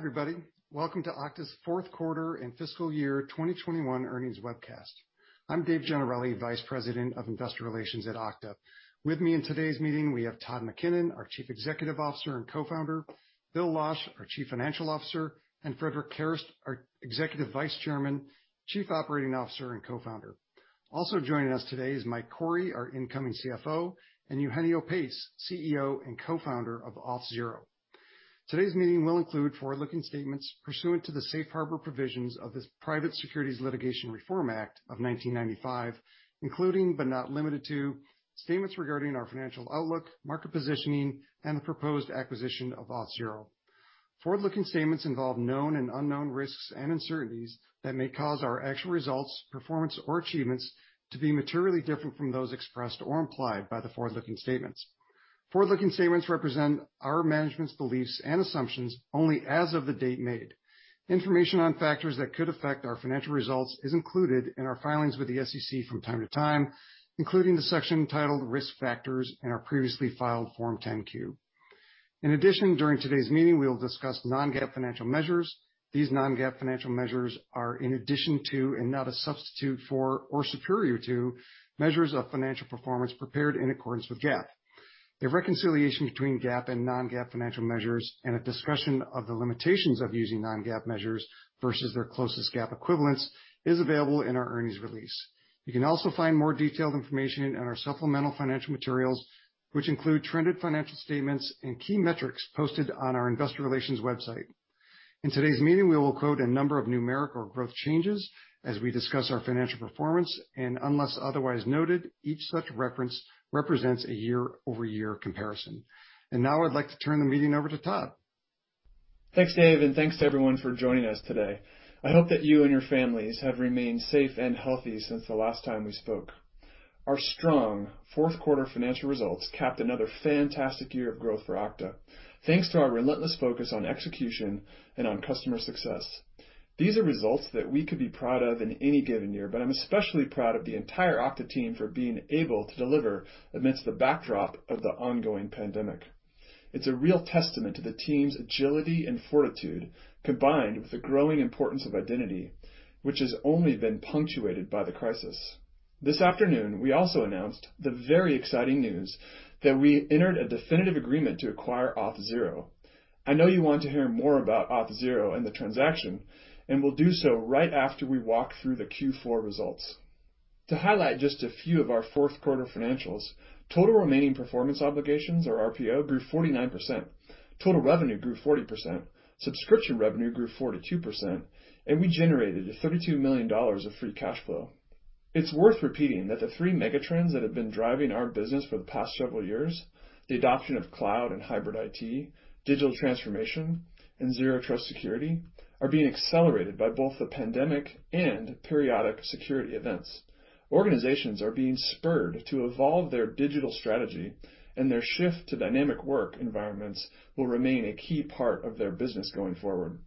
Everybody, welcome to Okta's fourth quarter and fiscal year 2021 earnings webcast. I'm Dave Gennarelli, Vice President of Investor Relations at Okta. With me in today's meeting, we have Todd McKinnon, our Chief Executive Officer and Co-Founder, Bill Losch, our Chief Financial Officer, and Frederic Kerrest, our Executive Vice Chairman, Chief Operating Officer, and Co-Founder. Also joining us today is Mike Kourey, our Incoming CFO, and Eugenio Pace, CEO and Co-Founder of Auth0. Today's meeting will include forward-looking statements pursuant to the safe harbor provisions of the Private Securities Litigation Reform Act of 1995, including but not limited to statements regarding our financial outlook, market positioning, and the proposed acquisition of Auth0. Forward-looking statements involve known and unknown risks and uncertainties that may cause our actual results, performance, or achievements to be materially different from those expressed or implied by the forward-looking statements. Forward-looking statements represent our management's beliefs and assumptions only as of the date made. Information on factors that could affect our financial results is included in our filings with the SEC from time to time, including the section titled Risk Factors in our previously filed Form 10-Q. In addition, during today's meeting, we will discuss non-GAAP financial measures. These non-GAAP financial measures are in addition to and not a substitute for or superior to measures of financial performance prepared in accordance with GAAP. A reconciliation between GAAP and non-GAAP financial measures and a discussion of the limitations of using non-GAAP measures versus their closest GAAP equivalents is available in our earnings release. You can also find more detailed information in our supplemental financial materials, which include trended financial statements and key metrics posted on our Investor Relations website. In today's meeting, we will quote a number of numerical growth changes as we discuss our financial performance, and unless otherwise noted, each such reference represents a year-over-year comparison. Now I'd like to turn the meeting over to Todd. Thanks, Dave, and thanks to everyone for joining us today. I hope that you and your families have remained safe and healthy since the last time we spoke. Our strong fourth quarter financial results capped another fantastic year of growth for Okta, thanks to our relentless focus on execution and on customer success. These are results that we could be proud of in any given year, but I'm especially proud of the entire Okta team for being able to deliver amidst the backdrop of the ongoing pandemic. It's a real testament to the team's agility and fortitude, combined with the growing importance of identity, which has only been punctuated by the crisis. This afternoon, we also announced the very exciting news that we entered a definitive agreement to acquire Auth0. I know you want to hear more about Auth0 and the transaction, and we'll do so right after we walk through the Q4 results. To highlight just a few of our fourth quarter financials, total remaining performance obligations or RPO grew 49%. Total revenue grew 40%. Subscription revenue grew 42%, and we generated $32 million of free cash flow. It's worth repeating that the three megatrends that have been driving our business for the past several years, the adoption of cloud and hybrid IT, digital transformation, and Zero Trust security, are being accelerated by both the pandemic and periodic security events. Organizations are being spurred to evolve their digital strategy, and their shift to dynamic work environments will remain a key part of their business going forward.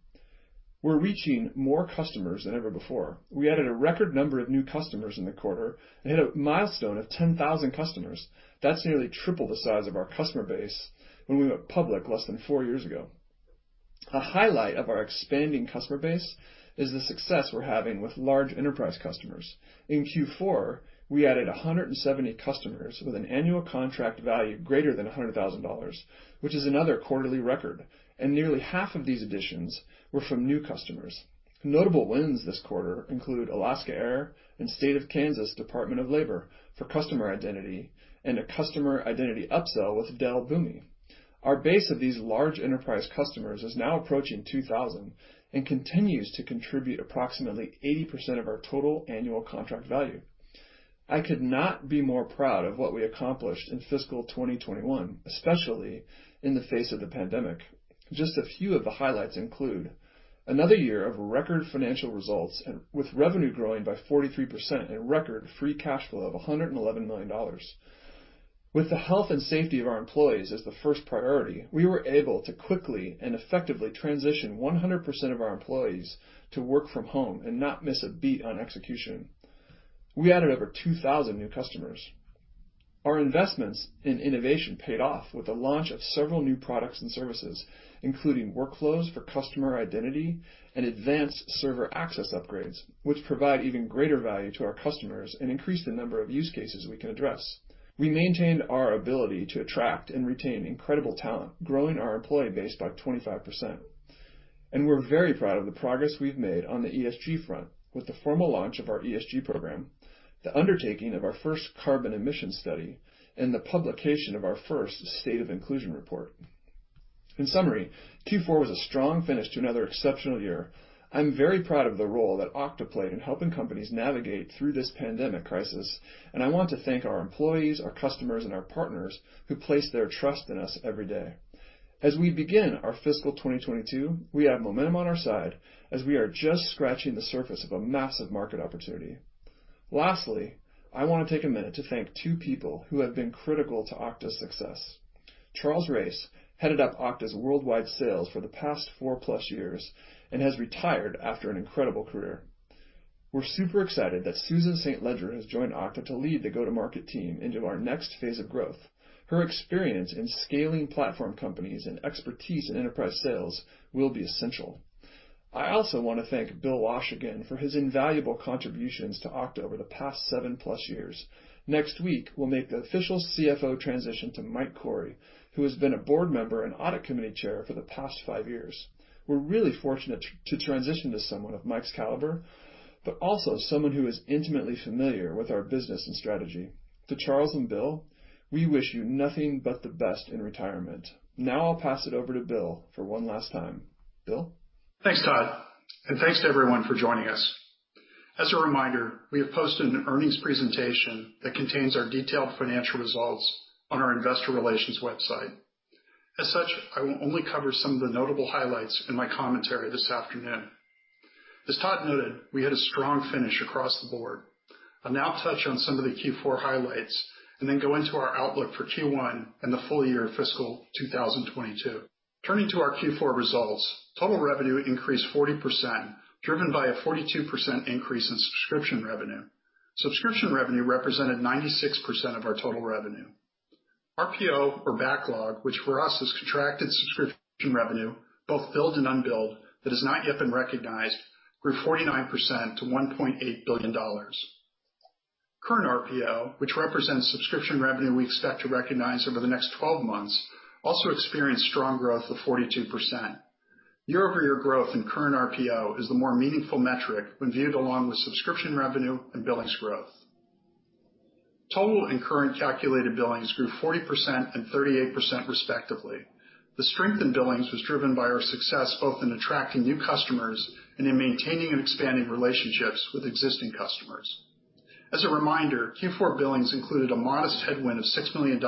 We're reaching more customers than ever before. We added a record number of new customers in the quarter and hit a milestone of 10,000 customers. That's nearly triple the size of our customer base when we went public less than four years ago. A highlight of our expanding customer base is the success we're having with large enterprise customers. In Q4, we added 170 customers with an annual contract value greater than $100,000, which is another quarterly record, and nearly 1/2 of these additions were from new customers. Notable wins this quarter include Alaska Airlines and Kansas Department of Labor for customer identity, and a customer identity upsell with Dell Boomi. Our base of these large enterprise customers is now approaching 2,000 and continues to contribute approximately 80% of our total annual contract value. I could not be more proud of what we accomplished in fiscal 2021, especially in the face of the pandemic. Just a few of the highlights include another year of record financial results with revenue growing by 43% and record free cash flow of $111 million. With the health and safety of our employees as the first priority, we were able to quickly and effectively transition 100% of our employees to work from home and not miss a beat on execution. We added over 2,000 new customers. Our investments in innovation paid off with the launch of several new products and services, including Workflows for customer identity and Advanced Server Access upgrades, which provide even greater value to our customers and increase the number of use cases we can address. We maintained our ability to attract and retain incredible talent, growing our employee base by 25%. We're very proud of the progress we've made on the ESG front with the formal launch of our ESG program, the undertaking of our first carbon emission study, and the publication of our first State of Inclusion report. In summary, Q4 was a strong finish to another exceptional year. I'm very proud of the role that Okta played in helping companies navigate through this pandemic crisis, and I want to thank our employees, our customers, and our partners who place their trust in us every day. As we begin our fiscal 2022, we have momentum on our side as we are just scratching the surface of a massive market opportunity. Lastly, I want to take a minute to thank two people who have been critical to Okta's success. Charles Race headed up Okta's Worldwide Sales for the past four plus years and has retired after an incredible career. We're super excited that Susan St. Ledger has joined Okta to lead the go-to-market team into our next phase of growth. Her experience in scaling platform companies and expertise in enterprise sales will be essential. I also want to thank Bill Losch again for his invaluable contributions to Okta over the past seven-plus years. Next week, we'll make the official CFO transition to Mike Kourey, who has been a Board member and Audit Committee Chair for the past five years. We're really fortunate to transition to someone of Mike's caliber, also someone who is intimately familiar with our business and strategy. To Charles and Bill, we wish you nothing but the best in retirement. I'll pass it over to Bill for one last time. Bill? Thanks, Todd, and thanks to everyone for joining us. As a reminder, we have posted an earnings presentation that contains our detailed financial results on our Investor Relations website. As such, I will only cover some of the notable highlights in my commentary this afternoon. As Todd noted, we had a strong finish across the board. I'll now touch on some of the Q4 highlights and then go into our outlook for Q1 and the full year fiscal 2022. Turning to our Q4 results, total revenue increased 40%, driven by a 42% increase in subscription revenue. Subscription revenue represented 96% of our total revenue. RPO or backlog, which for us is contracted subscription revenue, both billed and unbilled, that has not yet been recognized, grew 49% to $1.8 billion. Current RPO, which represents subscription revenue we expect to recognize over the next 12 months also experienced strong growth of 42%. Year-over-year growth in Current RPO is the more meaningful metric when viewed along with subscription revenue and billings growth. Total and current calculated billings grew 40% and 38% respectively. The strength in billings was driven by our success both in attracting new customers and in maintaining and expanding relationships with existing customers. As a reminder, Q4 billings included a modest headwind of $6 million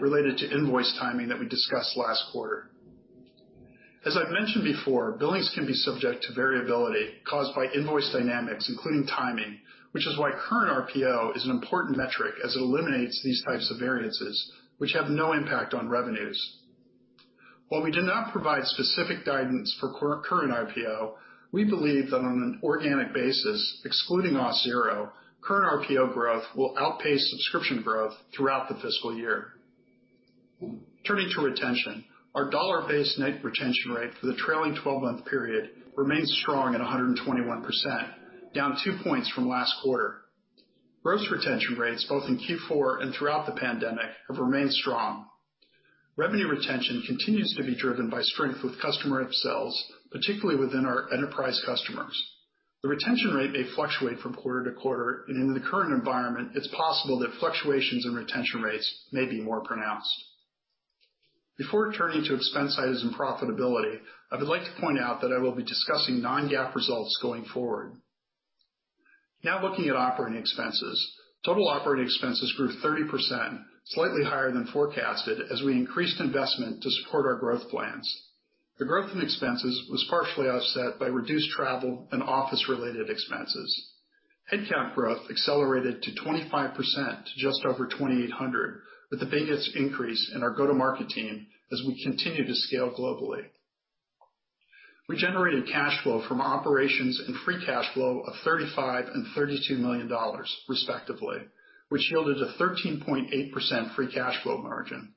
related to invoice timing that we discussed last quarter. As I've mentioned before, billings can be subject to variability caused by invoice dynamics, including timing, which is why Current RPO is an important metric as it eliminates these types of variances which have no impact on revenues. While we did not provide specific guidance for Current RPO, we believe that on an organic basis, excluding Auth0, Current RPO growth will outpace subscription growth throughout the fiscal year. Turning to retention, our dollar-based net retention rate for the trailing 12-month period remains strong at 121%, down two points from last quarter. Gross retention rates, both in Q4 and throughout the pandemic, have remained strong. Revenue retention continues to be driven by strength with customer upsells, particularly within our enterprise customers. The retention rate may fluctuate from quarter to quarter, and in the current environment, it's possible that fluctuations in retention rates may be more pronounced. Before turning to expense items and profitability, I would like to point out that I will be discussing non-GAAP results going forward. Now looking at operating expenses. Total operating expenses grew 30%, slightly higher than forecasted as we increased investment to support our growth plans. The growth in expenses was partially offset by reduced travel and office-related expenses. Headcount growth accelerated to 25% to just over 2,800, with the biggest increase in our go-to-market team as we continue to scale globally. We generated cash flow from operations and free cash flow of $35 and $32 million respectively, which yielded a 13.8% free cash flow margin.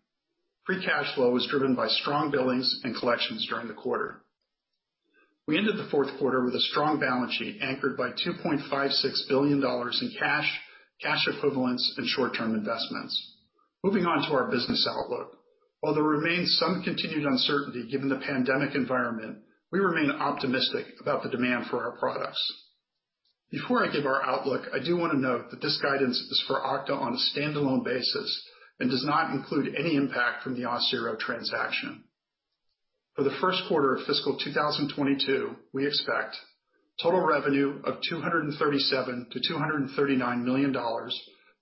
Free cash flow was driven by strong billings and collections during the quarter. We ended the fourth quarter with a strong balance sheet anchored by $2.56 billion in cash equivalents, and short-term investments. Moving on to our business outlook. While there remains some continued uncertainty given the pandemic environment, we remain optimistic about the demand for our products. Before I give our outlook, I do want to note that this guidance is for Okta on a standalone basis and does not include any impact from the Auth0 transaction. For the first quarter of fiscal 2022, we expect total revenue of $237 million-$239 million,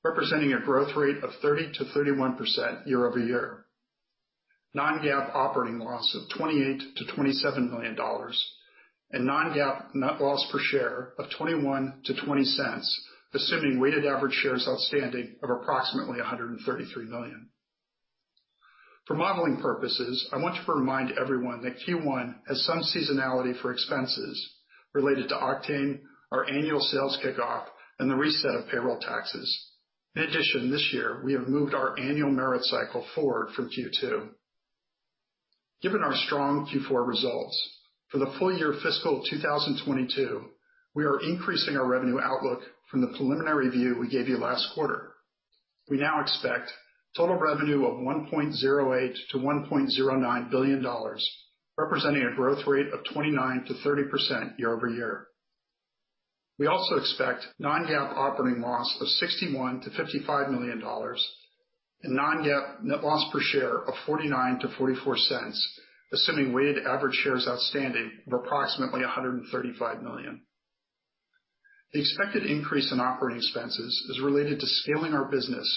representing a growth rate of 30%-31% year-over-year. Non-GAAP operating loss of $28 million-$27 million. Non-GAAP net loss per share of $0.21-$0.20, assuming weighted average shares outstanding of approximately 133 million. For modeling purposes, I want to remind everyone that Q1 has some seasonality for expenses related to Oktane, our annual sales kickoff, and the reset of payroll taxes. In addition, this year, we have moved our annual merit cycle forward from Q2. Given our strong Q4 results, for the full year fiscal 2022, we are increasing our revenue outlook from the preliminary view we gave you last quarter. We now expect total revenue of $1.08 billion-$1.09 billion, representing a growth rate of 29%-30% year-over-year. We also expect non-GAAP operating loss of $61 million-$55 million, and non-GAAP net loss per share of $0.49-$0.44, assuming weighted average shares outstanding of approximately 135 million. The expected increase in operating expenses is related to scaling our business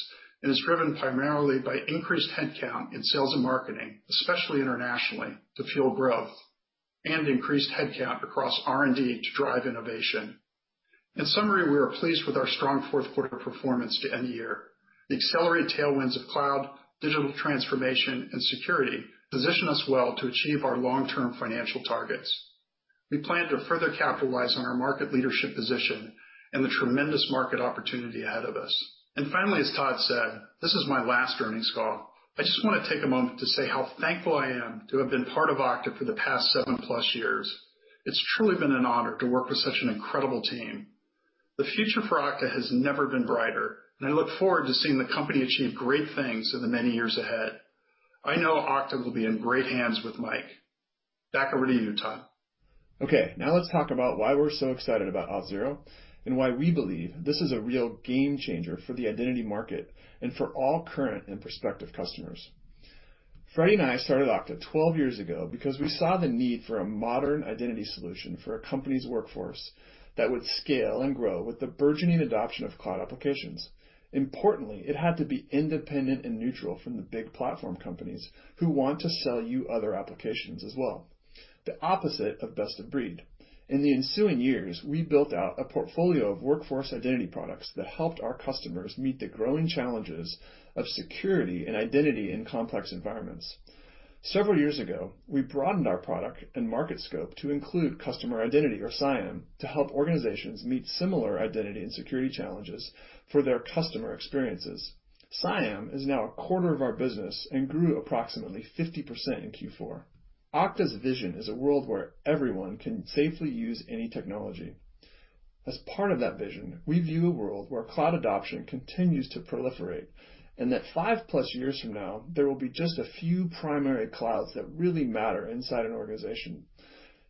and is driven primarily by increased headcount in sales and marketing, especially internationally, to fuel growth and increased headcount across R&D to drive innovation. In summary, we are pleased with our strong fourth quarter performance to end the year. The accelerated tailwinds of cloud, digital transformation, and security position us well to achieve our long-term financial targets. We plan to further capitalize on our market leadership position and the tremendous market opportunity ahead of us. Finally, as Todd said, this is my last earnings call. I just want to take a moment to say how thankful I am to have been part of Okta for the past seven-plus years. It's truly been an honor to work with such an incredible team. The future for Okta has never been brighter, and I look forward to seeing the company achieve great things in the many years ahead. I know Okta will be in great hands with Mike. Back over to you, Todd. Now let's talk about why we're so excited about Auth0 and why we believe this is a real game changer for the identity market and for all current and prospective customers. Frederic and I started Okta 12 years ago because we saw the need for a modern identity solution for a company's workforce that would scale and grow with the burgeoning adoption of cloud applications. Importantly, it had to be independent and neutral from the big platform companies who want to sell you other applications as well. The opposite of best of breed. In the ensuing years, we built out a portfolio of Workforce Identity products that helped our customers meet the growing challenges of security and identity in complex environments. Several years ago, we broadened our product and market scope to include Customer Identity or CIAM to help organizations meet similar identity and security challenges for their customer experiences. CIAM is now a quarter of our business and grew approximately 50% in Q4. Okta's vision is a world where everyone can safely use any technology. As part of that vision, we view a world where cloud adoption continues to proliferate, and that five-plus years from now, there will be just a few primary clouds that really matter inside an organization.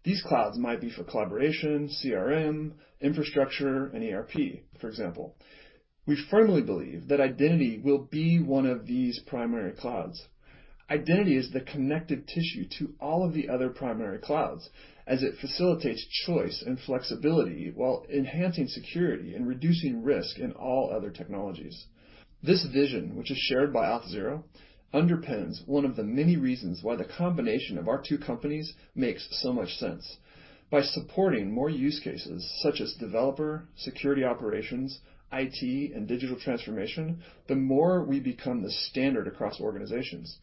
These clouds might be for collaboration, CRM, infrastructure, and ERP, for example. We firmly believe that identity will be one of these primary clouds. Identity is the connective tissue to all of the other primary clouds as it facilitates choice and flexibility while enhancing security and reducing risk in all other technologies. This vision, which is shared by Auth0, underpins one of the many reasons why the combination of our two companies makes so much sense. By supporting more use cases such as developer, security operations, IT, and digital transformation, the more we become the standard across organizations.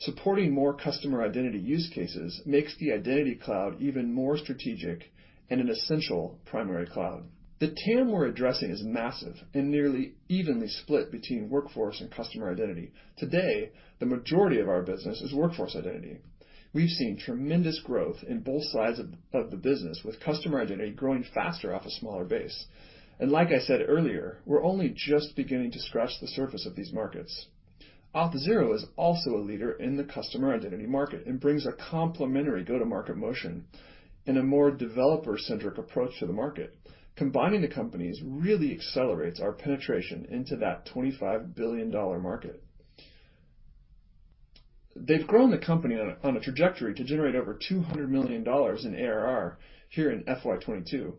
Supporting more customer identity use cases makes the Identity Cloud even more strategic and an essential primary cloud. The TAM we're addressing is massive and nearly evenly split between Workforce and Customer Identity. Today, the majority of our business is Workforce Identity. We've seen tremendous growth in both sides of the business, with Customer Identity growing faster off a smaller base. Like I said earlier, we're only just beginning to scratch the surface of these markets. Auth0 is also a leader in the Customer Identity market and brings a complementary go-to-market motion in a more developer-centric approach to the market. Combining the companies really accelerates our penetration into that $25 billion market. They've grown the company on a trajectory to generate over $200 million in ARR here in FY 2022,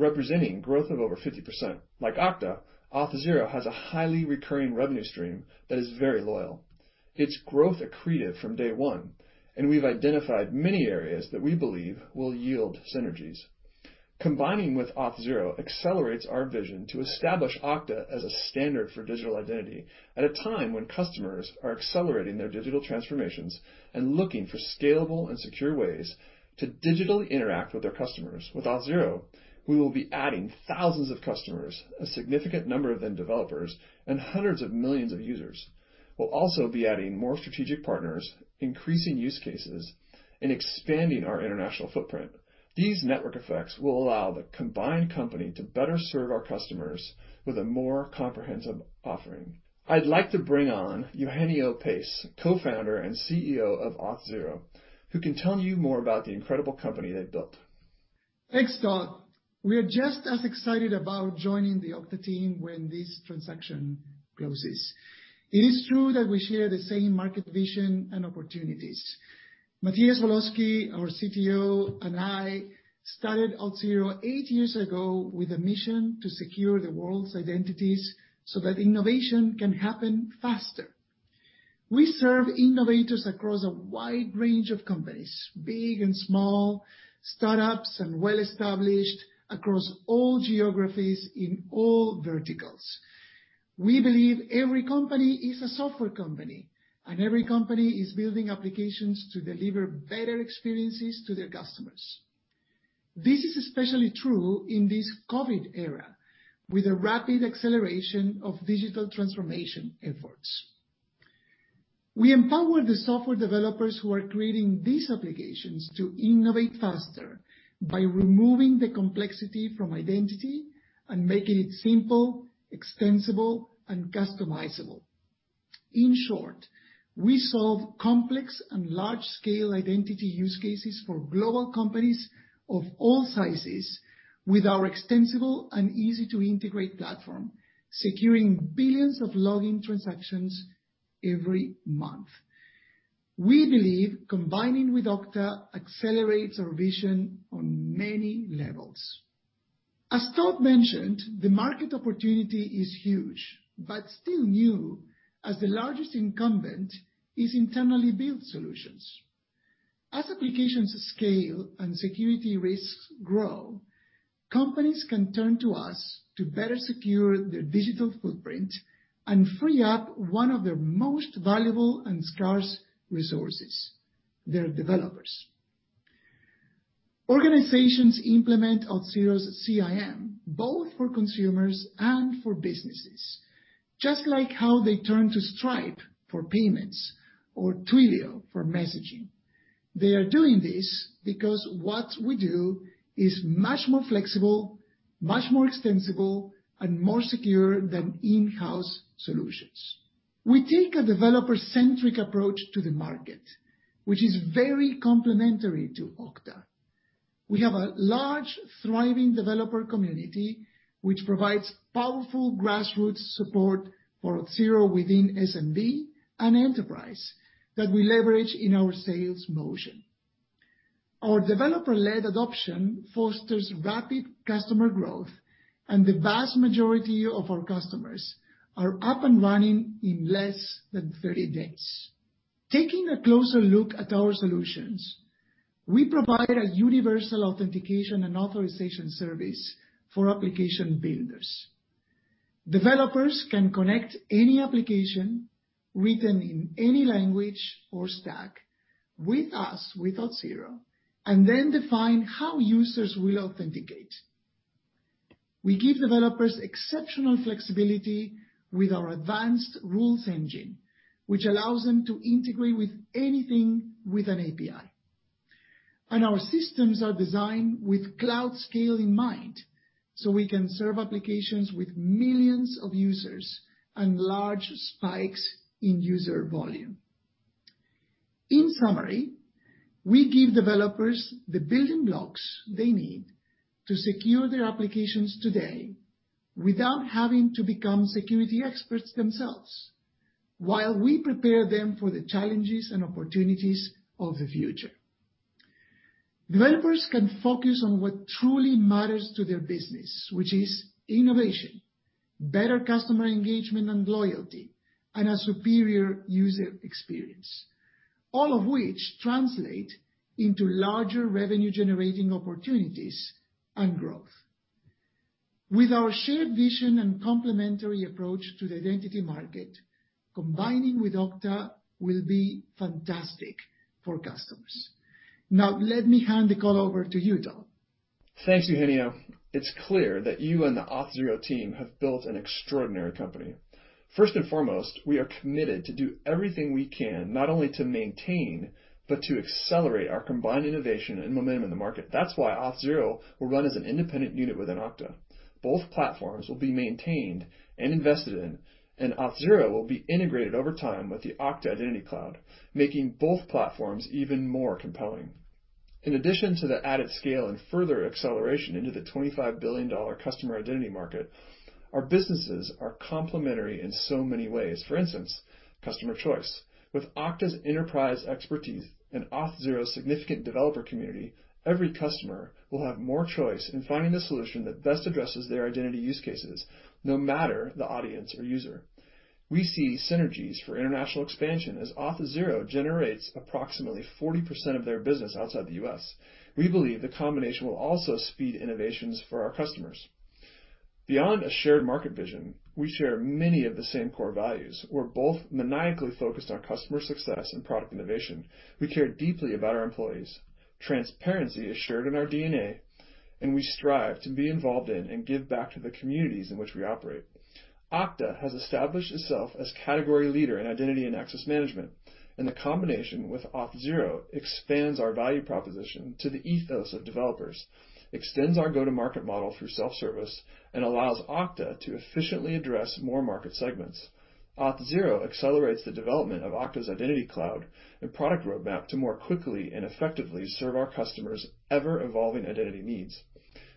representing growth of over 50%. Like Okta, Auth0 has a highly recurring revenue stream that is very loyal. It's growth accretive from day one, and we've identified many areas that we believe will yield synergies. Combining with Auth0 accelerates our vision to establish Okta as a standard for digital identity at a time when customers are accelerating their digital transformations and looking for scalable and secure ways to digitally interact with their customers. With Auth0, we will be adding thousands of customers, a significant number of them developers, and hundreds of millions of users. We'll also be adding more strategic partners, increasing use cases, and expanding our international footprint. These network effects will allow the combined company to better serve our customers with a more comprehensive offering. I'd like to bring on Eugenio Pace, Co-Founder and CEO of Auth0, who can tell you more about the incredible company they've built. Thanks, Todd. We are just as excited about joining the Okta team when this transaction closes. It is true that we share the same market vision and opportunities. Matias Woloski, our CTO, and I, started Auth0 eight years ago with a mission to secure the world's identities so that innovation can happen faster. We serve innovators across a wide range of companies, big and small, startups and well-established, across all geographies in all verticals. We believe every company is a software company, and every company is building applications to deliver better experiences to their customers. This is especially true in this COVID era with a rapid acceleration of digital transformation efforts. We empower the software developers who are creating these applications to innovate faster by removing the complexity from identity and making it simple, extensible, and customizable. In short, we solve complex and large-scale identity use cases for global companies of all sizes with our extensible and easy-to-integrate platform, securing billions of login transactions every month. We believe combining with Okta accelerates our vision on many levels. As Todd mentioned, the market opportunity is huge but still new as the largest incumbent is internally built solutions. As applications scale and security risks grow, companies can turn to us to better secure their digital footprint and free up one of their most valuable and scarce resources, their developers. Organizations implement Auth0's CIAM both for consumers and for businesses, just like how they turn to Stripe for payments or Twilio for messaging. They are doing this because what we do is much more flexible, much more extensible, and more secure than in-house solutions. We take a developer-centric approach to the market, which is very complementary to Okta. We have a large, thriving developer community, which provides powerful grassroots support for Auth0 within SMB and enterprise that we leverage in our sales motion. Our developer-led adoption fosters rapid customer growth, and the vast majority of our customers are up and running in less than 30 days. Taking a closer look at our solutions, we provide a universal authentication and authorization service for application builders. Developers can connect any application written in any language or stack with Auth0 and then define how users will authenticate. We give developers exceptional flexibility with our advanced rules engine, which allows them to integrate with anything with an API. Our systems are designed with cloud scale in mind, so we can serve applications with millions of users and large spikes in user volume. In summary, we give developers the building blocks they need to secure their applications today without having to become security experts themselves, while we prepare them for the challenges and opportunities of the future. Developers can focus on what truly matters to their business, which is innovation, better customer engagement and loyalty, and a superior user experience, all of which translate into larger revenue-generating opportunities and growth. With our shared vision and complementary approach to the identity market, combining with Okta will be fantastic for customers. Now, let me hand the call over to you, Todd. Thanks, Eugenio. It's clear that you and the Auth0 team have built an extraordinary company. First and foremost, we are committed to do everything we can not only to maintain, but to accelerate our combined innovation and momentum in the market. That's why Auth0 will run as an independent unit within Okta. Both platforms will be maintained and invested in, and Auth0 will be integrated over time with the Okta Identity Cloud, making both platforms even more compelling. In addition to the added scale and further acceleration into the $25 billion Customer Identity market, our businesses are complementary in so many ways. For instance, customer choice. With Okta's enterprise expertise and Auth0's significant developer community, every customer will have more choice in finding the solution that best addresses their identity use cases, no matter the audience or user. We see synergies for international expansion as Auth0 generates approximately 40% of their business outside the U.S. We believe the combination will also speed innovations for our customers. Beyond a shared market vision, we share many of the same core values. We're both maniacally focused on customer success and product innovation. We care deeply about our employees. Transparency is shared in our DNA, and we strive to be involved in and give back to the communities in which we operate. Okta has established itself as category leader in Identity and Access Management, and the combination with Auth0 expands our value proposition to the ethos of developers, extends our go-to-market model through self-service, and allows Okta to efficiently address more market segments. Auth0 accelerates the development of Okta's Identity Cloud and product roadmap to more quickly and effectively serve our customers' ever-evolving identity needs.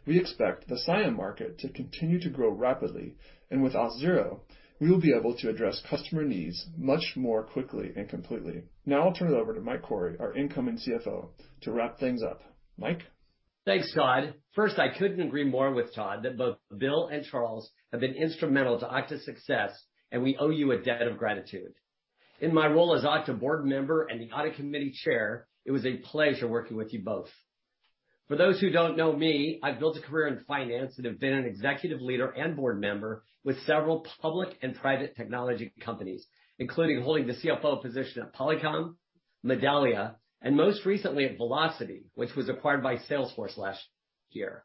We expect the CIAM market to continue to grow rapidly. With Auth0, we will be able to address customer needs much more quickly and completely. Now I'll turn it over to Mike Kourey, our Incoming CFO, to wrap things up. Mike? Thanks, Todd. I couldn't agree more with Todd that both Bill and Charles have been instrumental to Okta's success, and we owe you a debt of gratitude. In my role as Okta Board member and the Audit Committee Chair, it was a pleasure working with you both. For those who don't know me, I've built a career in finance and have been an executive leader and Board member with several public and private technology companies, including holding the CFO position at Polycom, Medallia, and most recently at Vlocity, which was acquired by Salesforce last year.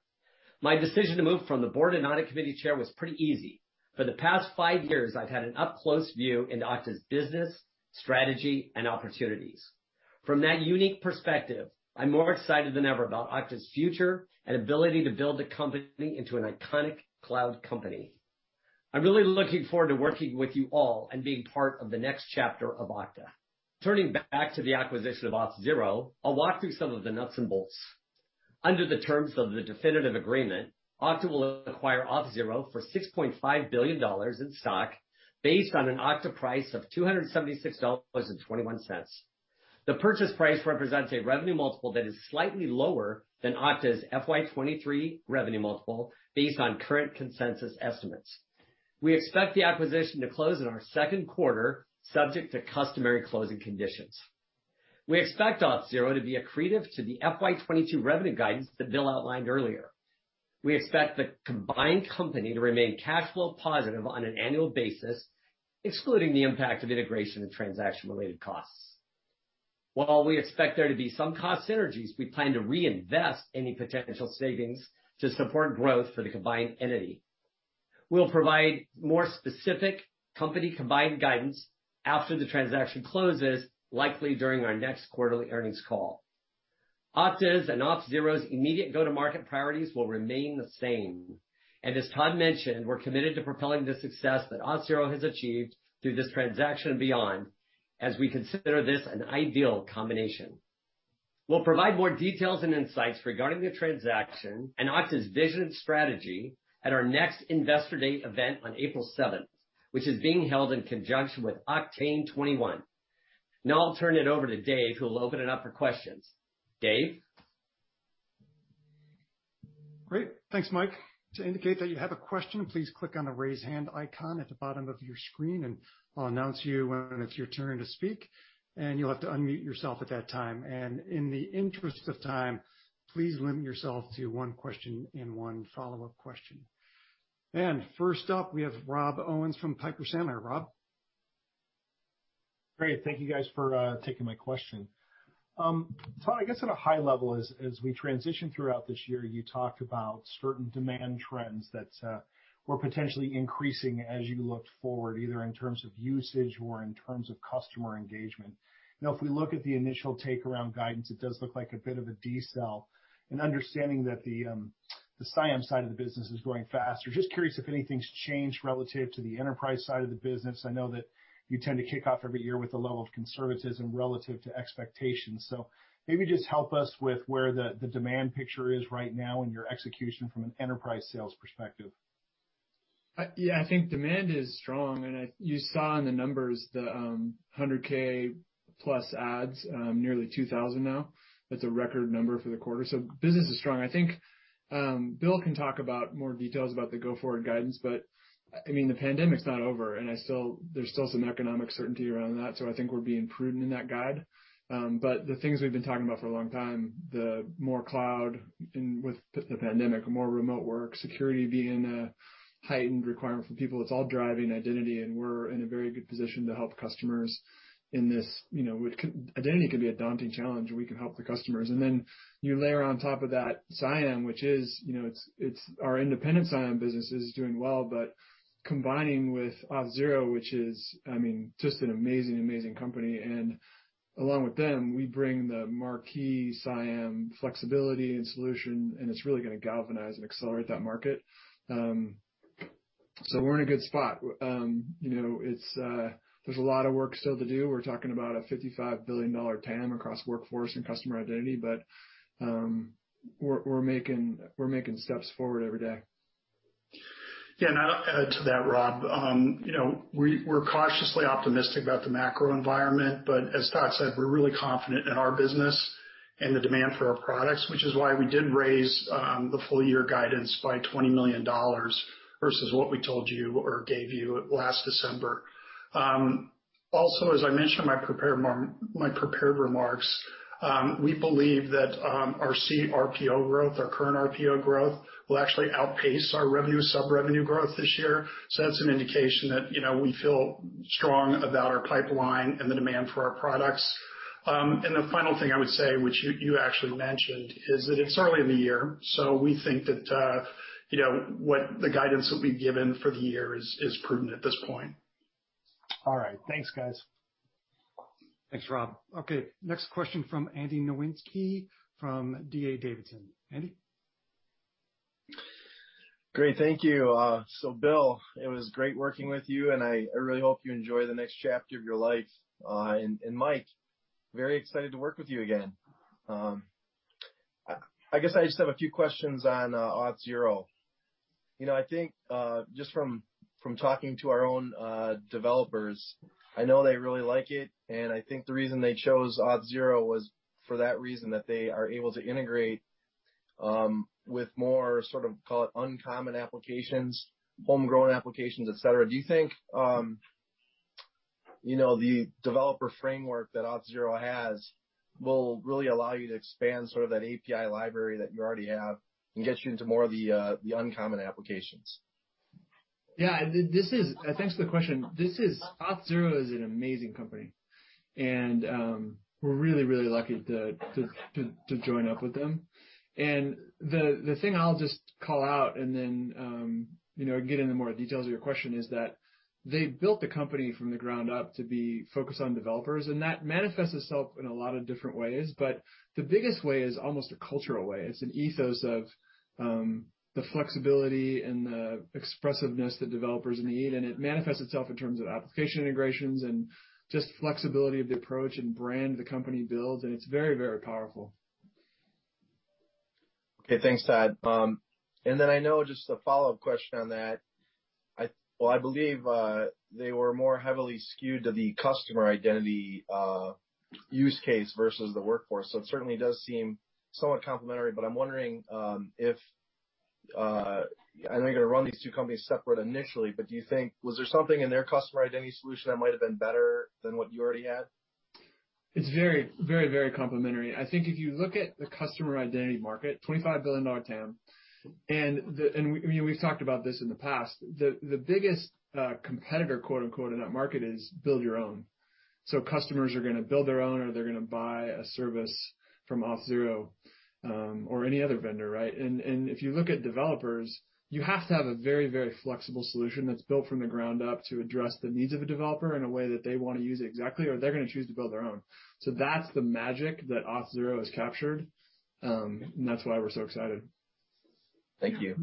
My decision to move from the Board and Audit Committee Chair was pretty easy. For the past five years, I've had an up-close view into Okta's business, strategy, and opportunities. From that unique perspective, I'm more excited than ever about Okta's future and ability to build a company into an iconic cloud company. I'm really looking forward to working with you all and being part of the next chapter of Okta. Turning back to the acquisition of Auth0, I'll walk through some of the nuts and bolts. Under the terms of the definitive agreement, Okta will acquire Auth0 for $6.5 billion in stock based on an Okta price of $276.21. The purchase price represents a revenue multiple that is slightly lower than Okta's FY23 revenue multiple based on current consensus estimates. We expect the acquisition to close in our second quarter, subject to customary closing conditions. We expect Auth0 to be accretive to the FY 2022 revenue guidance that Bill outlined earlier. We expect the combined company to remain cash flow positive on an annual basis, excluding the impact of integration and transaction-related costs. While we expect there to be some cost synergies, we plan to reinvest any potential savings to support growth for the combined entity. We'll provide more specific company combined guidance after the transaction closes, likely during our next quarterly earnings call. Okta's and Auth0's immediate go-to-market priorities will remain the same. As Todd mentioned, we're committed to propelling the success that Auth0 has achieved through this transaction and beyond as we consider this an ideal combination. We'll provide more details and insights regarding the transaction and Okta's vision and strategy at our next investor day event on April 7th, which is being held in conjunction with Oktane 2021. Now I'll turn it over to Dave, who will open it up for questions. Dave? Great. Thanks, Mike. To indicate that you have a question, please click on the raise hand icon at the bottom of your screen, and I'll announce you when it's your turn to speak. You'll have to unmute yourself at that time. In the interest of time, please limit yourself to one question and one follow-up question. First up, we have Rob Owens from Piper Sandler. Rob? Great. Thank you guys for taking my question. Todd, I guess at a high-level, as we transition throughout this year, you talked about certain demand trends that were potentially increasing as you looked forward, either in terms of usage or in terms of customer engagement. If we look at the initial take around guidance, it does look like a bit of a decel, and understanding that the CIAM side of the business is growing faster. Just curious if anything's changed relative to the enterprise side of the business. I know that you tend to kick off every year with a level of conservatism relative to expectations. Maybe just help us with where the demand picture is right now and your execution from an enterprise sales perspective. Yeah, I think demand is strong, and you saw in the numbers the 100,000+ adds, nearly 2,000 now. That's a record number for the quarter. Business is strong. I think Bill can talk about more details about the go-forward guidance, but the pandemic's not over, and there's still some economic certainty around that, so I think we're being prudent in that guide. The things we've been talking about for a long time, the more cloud, and with the pandemic, more remote work, security being a heightened requirement for people, it's all driving identity. We're in a very good position to help customers in this. Identity can be a daunting challenge. We can help the customers. You layer on top of that CIAM, which our independent CIAM business is doing well, combining with Auth0, which is just an amazing company. Along with them, we bring the marquee CIAM flexibility and solution. It's really going to galvanize and accelerate that market. We're in a good spot. There's a lot of work still to do. We're talking about a $55 billion TAM across Workforce and Customer Identity. We're making steps forward every day. Yeah. I'll add to that, Rob. We're cautiously optimistic about the macro environment, but as Todd said, we're really confident in our business and the demand for our products, which is why we did raise the full year guidance by $20 million versus what we told you or gave you last December. Also as I mentioned in my prepared remarks, we believe that our CRPO growth, our Current RPO growth, will actually outpace our sub-revenue growth this year. That's an indication that we feel strong about our pipeline and the demand for our products. The final thing I would say, which you actually mentioned, is that it's early in the year, so we think that the guidance that we've given for the year is prudent at this point. All right. Thanks, guys. Thanks, Rob. Okay, next question from Andy Nowinski from D.A. Davidson. Andy? Great. Thank you. Bill, it was great working with you, and I really hope you enjoy the next chapter of your life. Mike, very excited to work with you again. I guess I just have a few questions on Auth0. I think just from talking to our own developers, I know they really like it, and I think the reason they chose Auth0 was for that reason, that they are able to integrate with more sort of call it uncommon applications, homegrown applications, et cetera. Do you think the developer framework that Auth0 has will really allow you to expand that API library that you already have and get you into more of the uncommon applications? Yeah. Thanks for the question. Auth0 is an amazing company, and we're really lucky to join up with them. The thing I'll just call out and then get into more details of your question is that they built the company from the ground up to be focused on developers, and that manifests itself in a lot of different ways. The biggest way is almost a cultural way. It's an ethos of the flexibility and the expressiveness that developers need, and it manifests itself in terms of application integrations and just flexibility of the approach and brand the company builds, and it's very powerful. Okay, thanks, Todd. I know, just a follow-up question on that. I believe they were more heavily skewed to the Customer Identity use case versus the Workforce. It certainly does seem somewhat complementary, but I'm wondering if I know you're going to run these two companies separate initially, but do you think, was there something in their customer identity solution that might've been better than what you already had? It's very complementary. I think if you look at the Customer Identity market, $25 billion TAM. We've talked about this in the past. The biggest "competitor" in that market is build your own. Customers are going to build their own, or they're going to buy a service from Auth0, or any other vendor, right? If you look at developers, you have to have a very flexible solution that's built from the ground up to address the needs of a developer in a way that they want to use it exactly, or they're going to choose to build their own. That's the magic that Auth0 has captured, and that's why we're so excited. Thank you.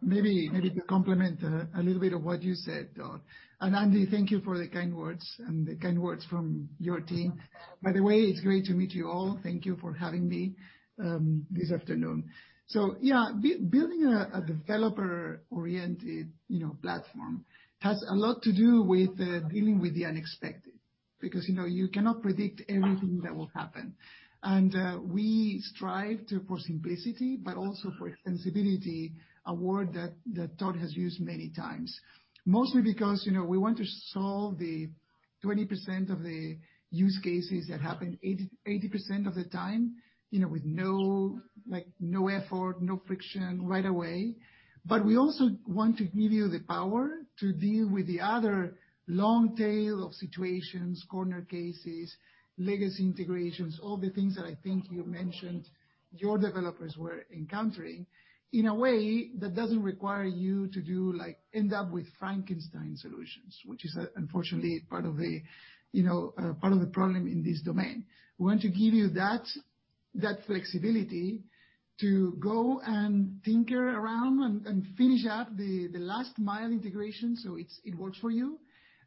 Maybe to complement a little bit of what you said, Todd. Andy, thank you for the kind words and the kind words from your team. By the way, it's great to meet you all. Thank you for having me this afternoon. Yeah, building a developer-oriented platform has a lot to do with dealing with the unexpected, because you cannot predict everything that will happen. We strive for simplicity, but also for extensibility, a word that Todd has used many times. Mostly because we want to solve the 20% of the use cases that happen 80% of the time with no effort, no friction, right away. But we also want to give you the power to deal with the other long tail of situations, corner cases, legacy integrations, all the things that I think you mentioned your developers were encountering, in a way that doesn't require you to end up with Frankenstein solutions, which is unfortunately part of the problem in this domain. We want to give you that flexibility to go and tinker around and finish up the last mile integration so it works for you,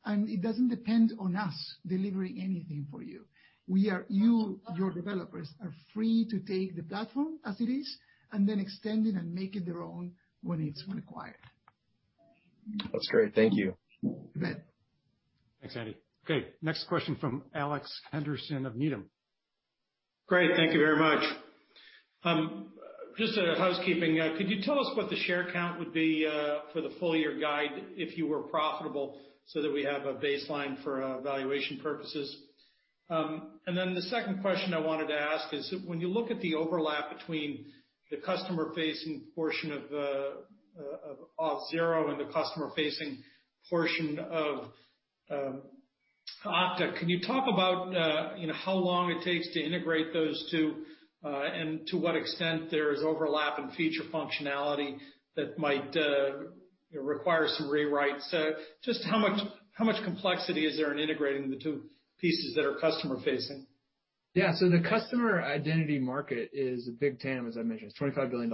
and it doesn't depend on us delivering anything for you. Your developers are free to take the platform as it is, and then extend it and make it their own when it's required. That's great. Thank you. You bet. Thanks, Andy. Next question from Alex Henderson of Needham. Great. Thank you very much. Just a housekeeping, could you tell us what the share count would be for the full year guide if you were profitable, so that we have a baseline for valuation purposes? The second question I wanted to ask is, when you look at the overlap between the customer-facing portion of Auth0 and the customer-facing portion of Okta, can you talk about how long it takes to integrate those two, and to what extent there is overlap in feature functionality that might require some rewrites? Just how much complexity is there in integrating the two pieces that are customer facing? Yeah, the Customer Identity market is a big TAM, as I mentioned, it's $25 billion.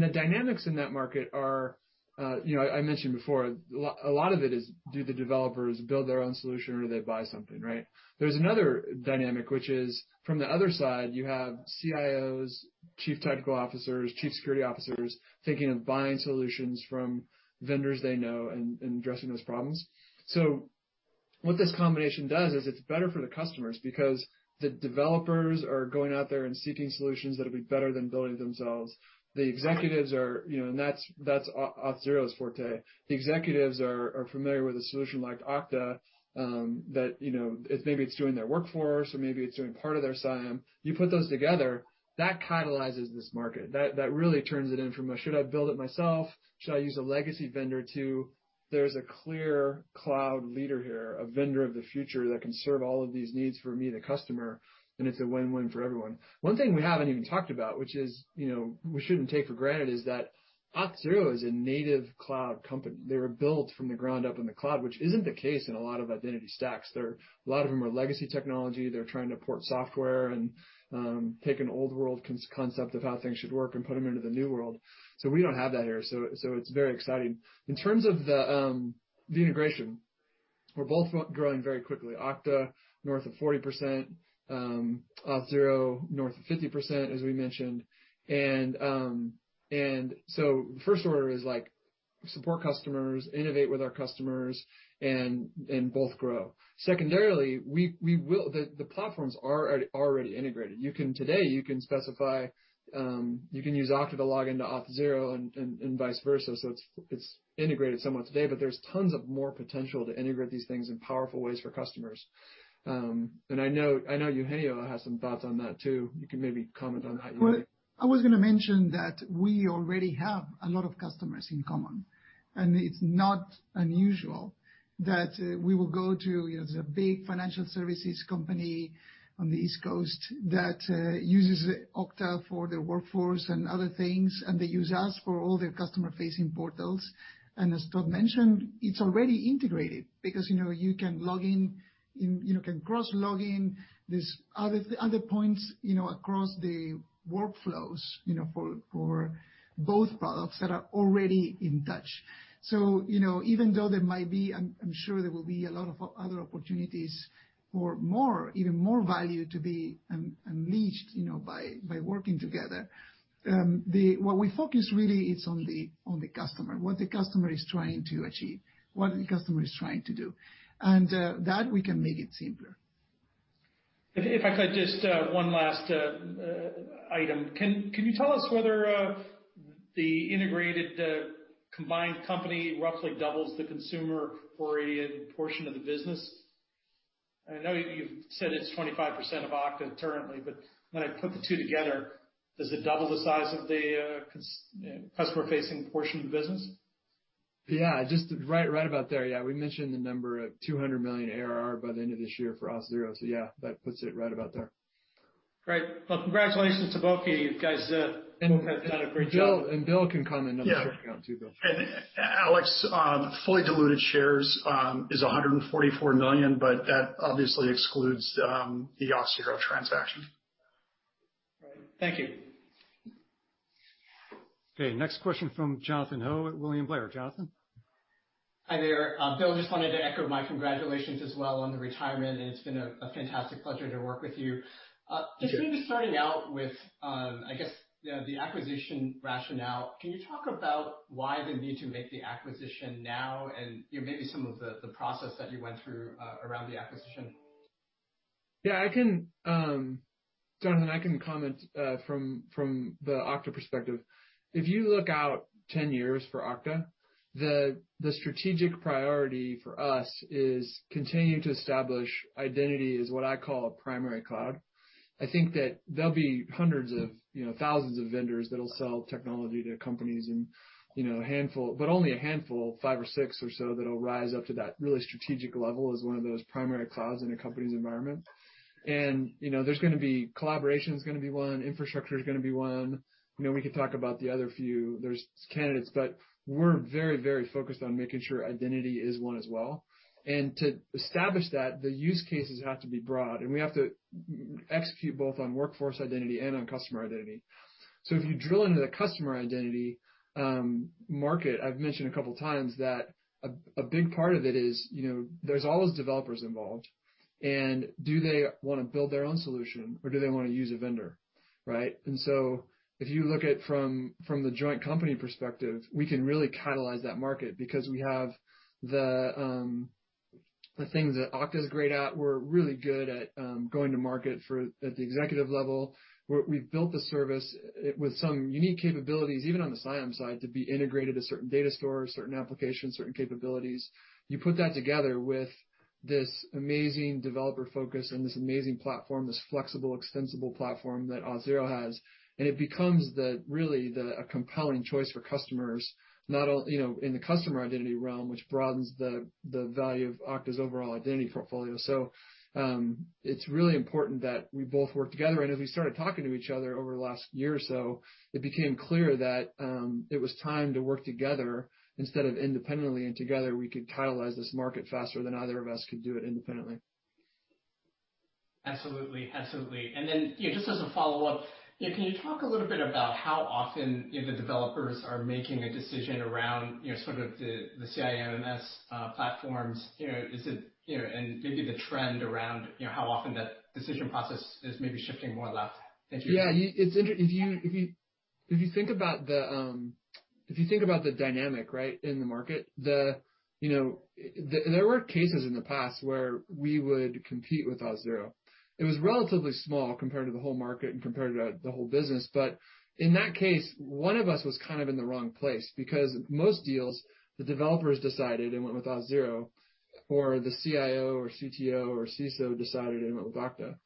The dynamics in that market are, I mentioned before, a lot of it is, do the developers build their own solution or do they buy something, right? There's another dynamic, which is from the other side, you have CIOs, Chief Technical Officers, Chief Security Officers, thinking of buying solutions from vendors they know and addressing those problems. What this combination does is it's better for the customers because the developers are going out there and seeking solutions that'll be better than building themselves. The executives are, and that's Auth0's forte. The executives are familiar with a solution like Okta that maybe it's doing their workforce or maybe it's doing part of their CIAM. You put those together, that catalyzes this market. That really turns it in from a should I build it myself? Should I use a legacy vendor to there's a clear cloud leader here, a vendor of the future that can serve all of these needs for me, the customer, and it's a win-win for everyone. One thing we haven't even talked about, which is we shouldn't take for granted, is that Auth0 is a native cloud company. They were built from the ground up in the cloud, which isn't the case in a lot of identity stacks. A lot of them are legacy technology. They're trying to port software and take an old world concept of how things should work and put them into the new world. We don't have that here. It's very exciting. In terms of the integration, we're both growing very quickly. Okta, north of 40%, Auth0, north of 50%, as we mentioned. The first order is support customers, innovate with our customers and both grow. Secondarily, the platforms are already integrated. Today, you can use Okta to log into Auth0 and vice versa. It's integrated somewhat today, but there's tons of more potential to integrate these things in powerful ways for customers. I know Eugenio has some thoughts on that, too. You can maybe comment on that Eugenio. Well, I was going to mention that we already have a lot of customers in common. It's not unusual that we will go to a big financial services company on the East Coast that uses Okta for their workforce and other things, and they use us for all their customer-facing portals. As Todd mentioned, it's already integrated because you can cross login these other points across the Workflows for both products that are already in touch. Even though there might be, I'm sure there will be a lot of other opportunities for even more value to be unleashed by working together. What we focus really is on the customer, what the customer is trying to achieve, what the customer is trying to do. That we can make it simpler. If I could, just one last item. Can you tell us whether the integrated combined company roughly doubles the consumer-oriented portion of the business? I know you've said it's 25% of Okta currently, but when I put the two together, does it double the size of the customer-facing portion of the business? Yeah. Just right about there, yeah. We mentioned the number of $200 million ARR by the end of this year for Auth0, yeah, that puts it right about there. Great. Well, congratulations to both of you guys. Both have done a great job. Bill can comment on the share count too, Bill. Alex, fully diluted shares is 144 million, but that obviously excludes the Auth0 transaction. Right. Thank you. Okay, next question from Jonathan Ho at William Blair. Jonathan? Hi there. Bill, just wanted to echo my congratulations as well on the retirement. It's been a fantastic pleasure to work with you. Thank you. Just maybe starting out with, I guess, the acquisition rationale. Can you talk about why the need to make the acquisition now and maybe some of the process that you went through around the acquisition? Yeah. Jonathan, I can comment from the Okta perspective. If you look out 10 years for Okta, the strategic priority for us is continuing to establish identity as what I call a primary cloud. I think that there'll be hundreds of thousands of vendors that'll sell technology to companies but only a handful, five or six or so, that'll rise up to that really strategic level as one of those primary clouds in a company's environment. Collaboration is going to be one, infrastructure is going to be one. We could talk about the other few. There's candidates, but we're very focused on making sure identity is one as well. To establish that, the use cases have to be broad, and we have to execute both on Workforce Identity and on Customer Identity. If you drill into the customer identity market, I've mentioned a couple of times that a big part of it is there's always developers involved, and do they want to build their own solution or do they want to use a vendor? Right? If you look at it from the joint company perspective, we can really catalyze that market because we have the things that Okta's great at. We're really good at going to market at the executive level, we've built the service with some unique capabilities, even on the CIAM side, to be integrated to certain data stores, certain applications, certain capabilities. You put that together with this amazing developer focus and this amazing platform, this flexible, extensible platform that Auth0 has, and it becomes really a compelling choice for customers in the Customer Identity realm, which broadens the value of Okta's overall identity portfolio. It's really important that we both work together. As we started talking to each other over the last year or so, it became clear that it was time to work together instead of independently, and together we could catalyze this market faster than either of us could do it independently. Absolutely. Just as a follow-up, can you talk a little bit about how often the developers are making a decision around the CIAM and IAM platforms, and maybe the trend around how often that decision process is maybe shifting more left? Thank you. Yeah. If you think about the dynamic in the market, there were cases in the past where we would compete with Auth0. It was relatively small compared to the whole market and compared to the whole business. In that case, one of us was kind of in the wrong place because most deals, the developers decided and went with Auth0 or the CIO or CTO or CISO decided and went with Okta.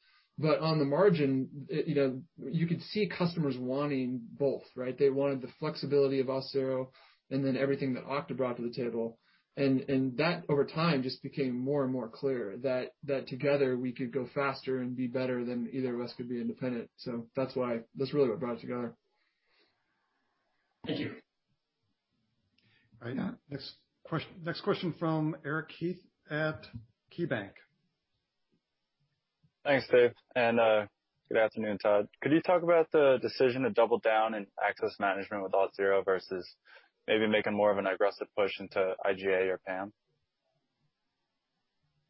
On the margin, you could see customers wanting both, right? They wanted the flexibility of Auth0 and then everything that Okta brought to the table. That over time just became more and more clear that together we could go faster and be better than either of us could be independent. That's really what brought us together. Thank you. All right. Next question from Eric Heath at KeyBanc. Thanks, Dave, and good afternoon, Todd. Could you talk about the decision to double down in access management with Auth0 versus maybe making more of an aggressive push into IGA or PAM?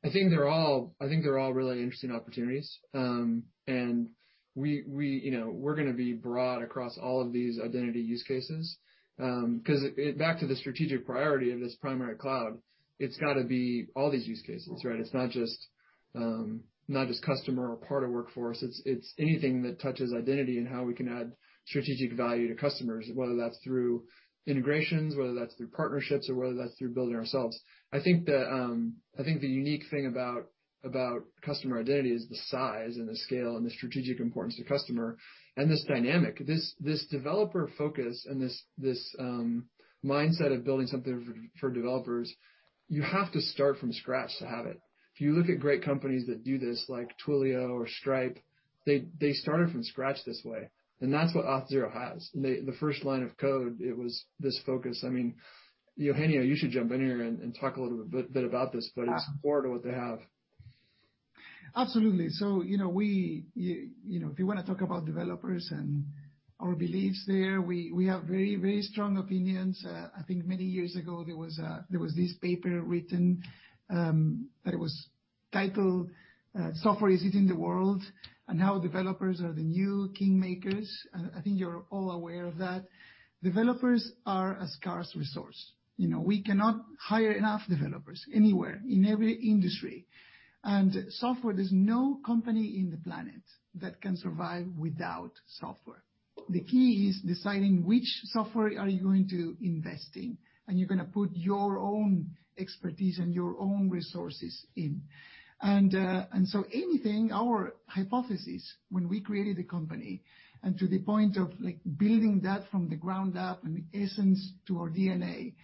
I think they're all really interesting opportunities. We're going to be broad across all of these identity use cases. Back to the strategic priority of this primary cloud, it's got to be all these use cases, right? It's not just customer or part of workforce. It's anything that touches identity and how we can add strategic value to customers, whether that's through integrations, whether that's through partnerships or whether that's through building ourselves. I think the unique thing about Customer Identity is the size and the scale and the strategic importance to customer and this dynamic. This developer focus and this mindset of building something for developers, you have to start from scratch to have it. If you look at great companies that do this like Twilio or Stripe, they started from scratch this way, and that's what Auth0 has. The first line of code, it was this focus. Eugenio, you should jump in here and talk a little bit about this, but it's core to what they have. Absolutely. If you want to talk about developers and our beliefs there, we have very strong opinions. I think many years ago, there was this paper written that was titled, "Software is Eating the World." How developers are the new kingmakers. I think you're all aware of that. Developers are a scarce resource. We cannot hire enough developers anywhere in every industry. Software, there's no company in the planet that can survive without software. The key is deciding which software are you going to invest in, and you're going to put your own expertise and your own resources in. Our hypothesis when we created the company, and to the point of building that from the ground up and the essence to our DNA,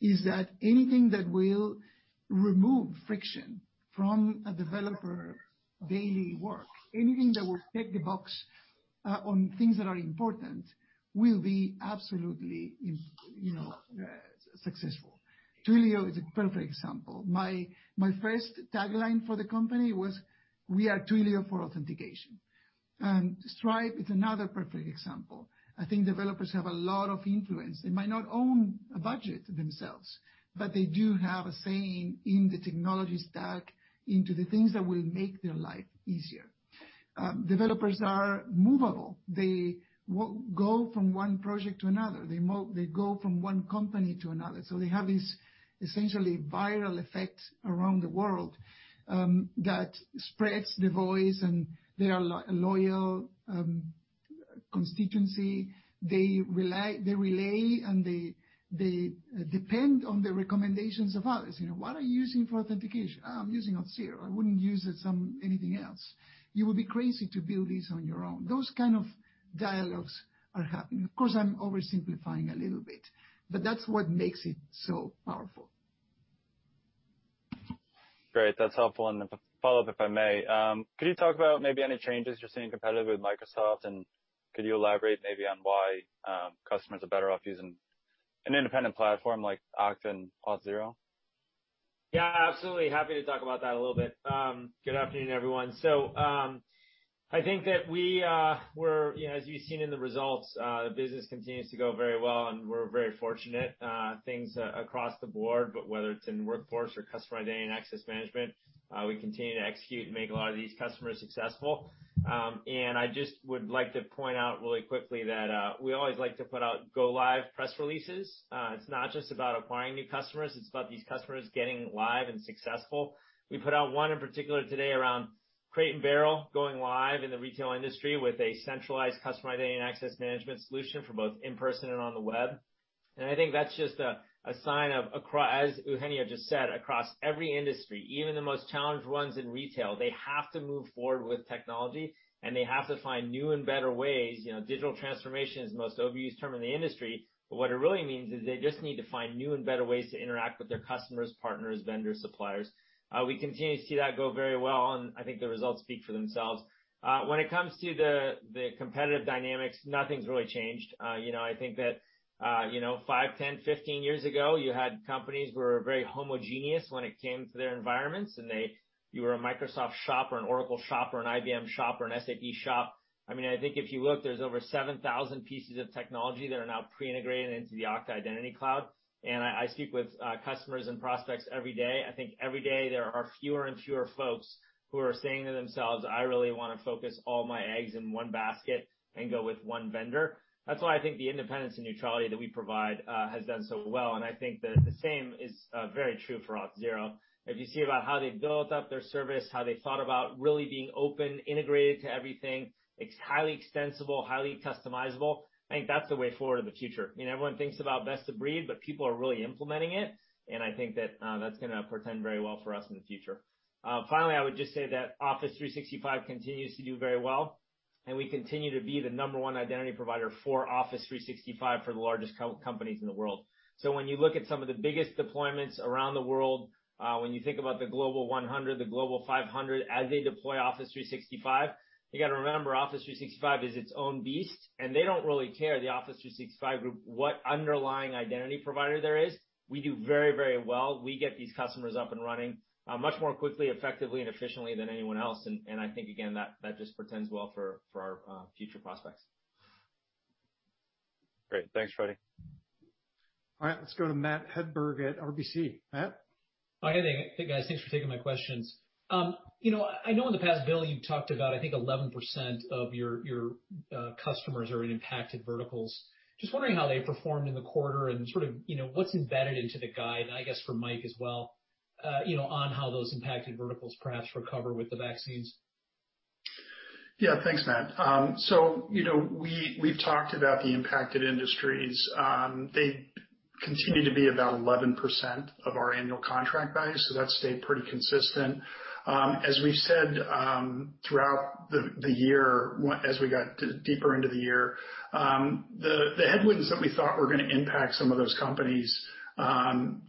is that anything that will remove friction from a developer daily work, anything that will check the box on things that are important will be absolutely successful. Twilio is a perfect example. My first tagline for the company was, we are Twilio for authentication. Stripe is another perfect example. I think developers have a lot of influence. They might not own a budget themselves, but they do have a say in the technology stack, into the things that will make their life easier. Developers are movable. They go from one project to another. They go from one company to another. They have this essentially viral effect around the world that spreads the voice, and they are a loyal constituency. They relay, and they depend on the recommendations of others. "What are you using for authentication?" "I'm using Auth0. I wouldn't use anything else. You would be crazy to build this on your own." Those kind of dialogues are happening. Of course, I'm oversimplifying a little bit, but that's what makes it so powerful. Great. That's helpful. A follow-up, if I may. Could you talk about maybe any changes you're seeing competitive with Microsoft, and could you elaborate maybe on why customers are better off using an independent platform like Okta and Auth0? Yeah, absolutely happy to talk about that a little bit. Good afternoon, everyone. I think that as you've seen in the results, the business continues to go very well, and we're very fortunate. Things across the board, but whether it's in workforce or customer Identity and Access Management, we continue to execute and make a lot of these customers successful. I just would like to point out really quickly that we always like to put out go live press releases. It's not just about acquiring new customers, it's about these customers getting live and successful. We put out one in particular today around Crate & Barrel going live in the retail industry with a centralized customer Identity and Access Management solution for both in-person and on the web. I think that's just a sign of, as Eugenio just said, across every industry, even the most challenged ones in retail, they have to move forward with technology, and they have to find new and better ways. Digital transformation is the most overused term in the industry, but what it really means is they just need to find new and better ways to interact with their customers, partners, vendors, suppliers. We continue to see that go very well, and I think the results speak for themselves. When it comes to the competitive dynamics, nothing's really changed. I think that five, 10, 15 years ago, you had companies who were very homogeneous when it came to their environments, and you were a Microsoft shop or an Oracle shop or an IBM shop or an SAP shop. I think if you look, there's over 7,000 pieces of technology that are now pre-integrated into the Okta Identity Cloud. I speak with customers and prospects every day. I think every day there are fewer and fewer folks who are saying to themselves, "I really want to focus all my eggs in one basket and go with one vendor." That's why I think the independence and neutrality that we provide has done so well, and I think that the same is very true for Auth0. If you see about how they built up their service, how they thought about really being open, integrated to everything, it's highly extensible, highly customizable. I think that's the way forward in the future. Everyone thinks about best of breed, but people are really implementing it, and I think that's going to portend very well for us in the future. Finally, I would just say that Office 365 continues to do very well. We continue to be the number one identity provider for Office 365 for the largest companies in the world. When you look at some of the biggest deployments around the world, when you think about the Global 100, the Global 500, as they deploy Office 365, you got to remember, Office 365 is its own beast. They don't really care, the Office 365 group, what underlying identity provider there is. We do very well. We get these customers up and running much more quickly, effectively, and efficiently than anyone else. I think, again, that just portends well for our future prospects. Great. Thanks, Frederic. All right. Let's go to Matt Hedberg at RBC. Matt? Hi. Hey, guys. Thanks for taking my questions. I know in the past, Bill, you talked about, I think 11% of your customers are in impacted verticals. Just wondering how they performed in the quarter and what's embedded into the guide, and I guess for Mike as well, on how those impacted verticals perhaps recover with the vaccines. Yeah, thanks, Matt. We've talked about the impacted industries. They continue to be about 11% of our annual contract value, that stayed pretty consistent. As we said throughout the year, as we got deeper into the year, the headwinds that we thought were going to impact some of those companies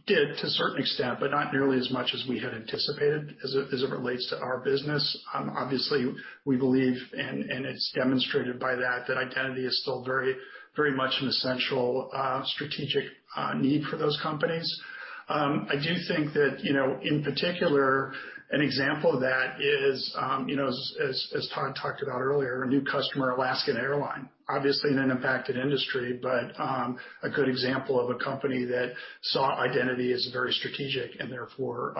did to a certain extent, but not nearly as much as we had anticipated as it relates to our business. Obviously, we believe, and it's demonstrated by that identity is still very much an essential strategic need for those companies. I do think that in particular, an example of that is, as Todd talked about earlier, a new customer, Alaska Airlines. Obviously an impacted industry, but a good example of a company that saw identity as very strategic and therefore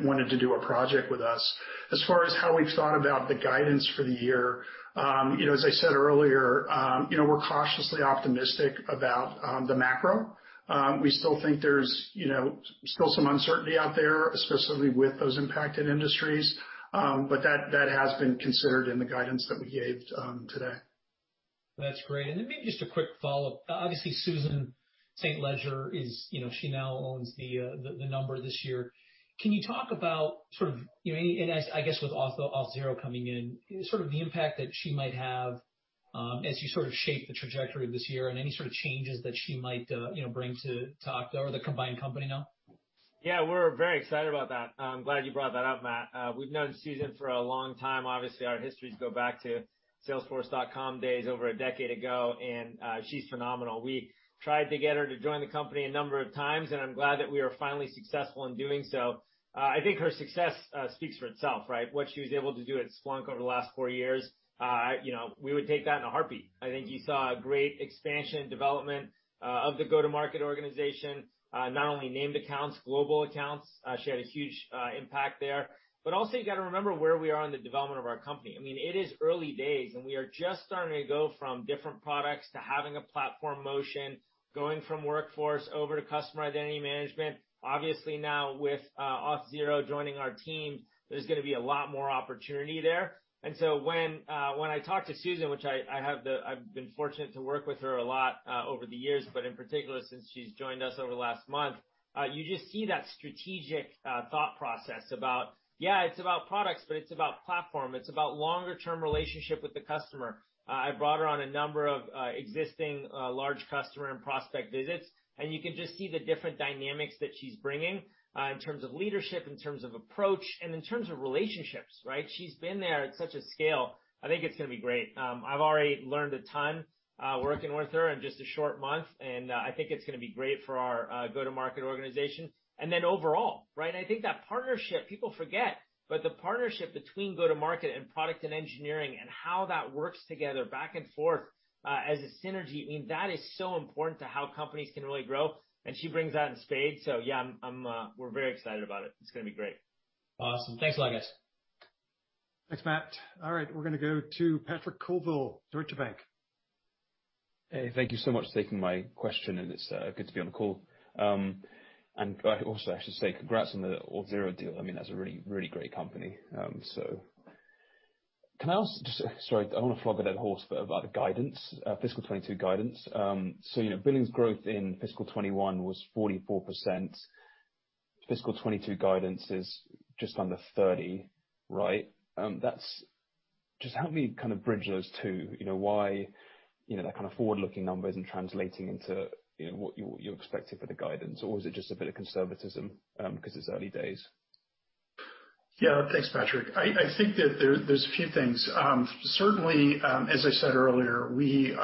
wanted to do a project with us. As far as how we've thought about the guidance for the year, as I said earlier, we're cautiously optimistic about the macro. We still think there's still some uncertainty out there, especially with those impacted industries. That has been considered in the guidance that we gave today. That's great. Then maybe just a quick follow-up. Obviously, Susan St. Ledger, she now owns the number this year. Can you talk about, and I guess with Auth0 coming in, the impact that she might have as you shape the trajectory of this year and any sort of changes that she might bring to Okta or the combined company now? Yeah, we're very excited about that. I'm glad you brought that up, Matt. We've known Susan for a long time. Obviously, our histories go back to Salesforce.com days over a decade ago, and she's phenomenal. We tried to get her to join the company a number of times, and I'm glad that we are finally successful in doing so. I think her success speaks for itself, right? What she was able to do at Splunk over the last four years, we would take that in a heartbeat. I think you saw a great expansion development of the go-to-market organization. Not only named accounts, global accounts, she had a huge impact there. Also, you got to remember where we are in the development of our company. It is early days. We are just starting to go from different products to having a platform motion, going from Workforce over to Customer Identity Management. Obviously now with Auth0 joining our team, there's going to be a lot more opportunity there. When I talk to Susan, which I've been fortunate to work with her a lot over the years, but in particular, since she's joined us over the last month, you just see that strategic thought process about, yeah, it's about products, but it's about platform. It's about longer-term relationship with the customer. I brought her on a number of existing large customer and prospect visits. You can just see the different dynamics that she's bringing, in terms of leadership, in terms of approach, and in terms of relationships, right? She's been there at such a scale. I think it's going to be great. I've already learned a ton working with her in just a short month, and I think it's going to be great for our go-to-market organization. Then overall, right? I think that partnership, people forget, but the partnership between go-to-market and product and engineering and how that works together back and forth as a synergy, that is so important to how companies can really grow, and she brings that in spades. Yeah, we're very excited about it. It's going to be great. Awesome. Thanks a lot, guys. Thanks, Matt. We're going to go to Patrick Colville, Deutsche Bank. Hey, thank you so much for taking my question. It's good to be on the call. I also have to say congrats on the Auth0 deal. That's a really great company. Can I ask, just sorry, I don't want to flog a dead horse, but about the guidance, FY 2022 guidance. Billings growth in FY 2021 was 44%. FY 2022 guidance is just under 30, right? Just help me kind of bridge those two. Why that kind of forward-looking numbers and translating into what you're expecting for the guidance, or is it just a bit of conservatism because it's early days? Yeah, thanks, Patrick. I think that there's a few things. Certainly, as I said earlier, we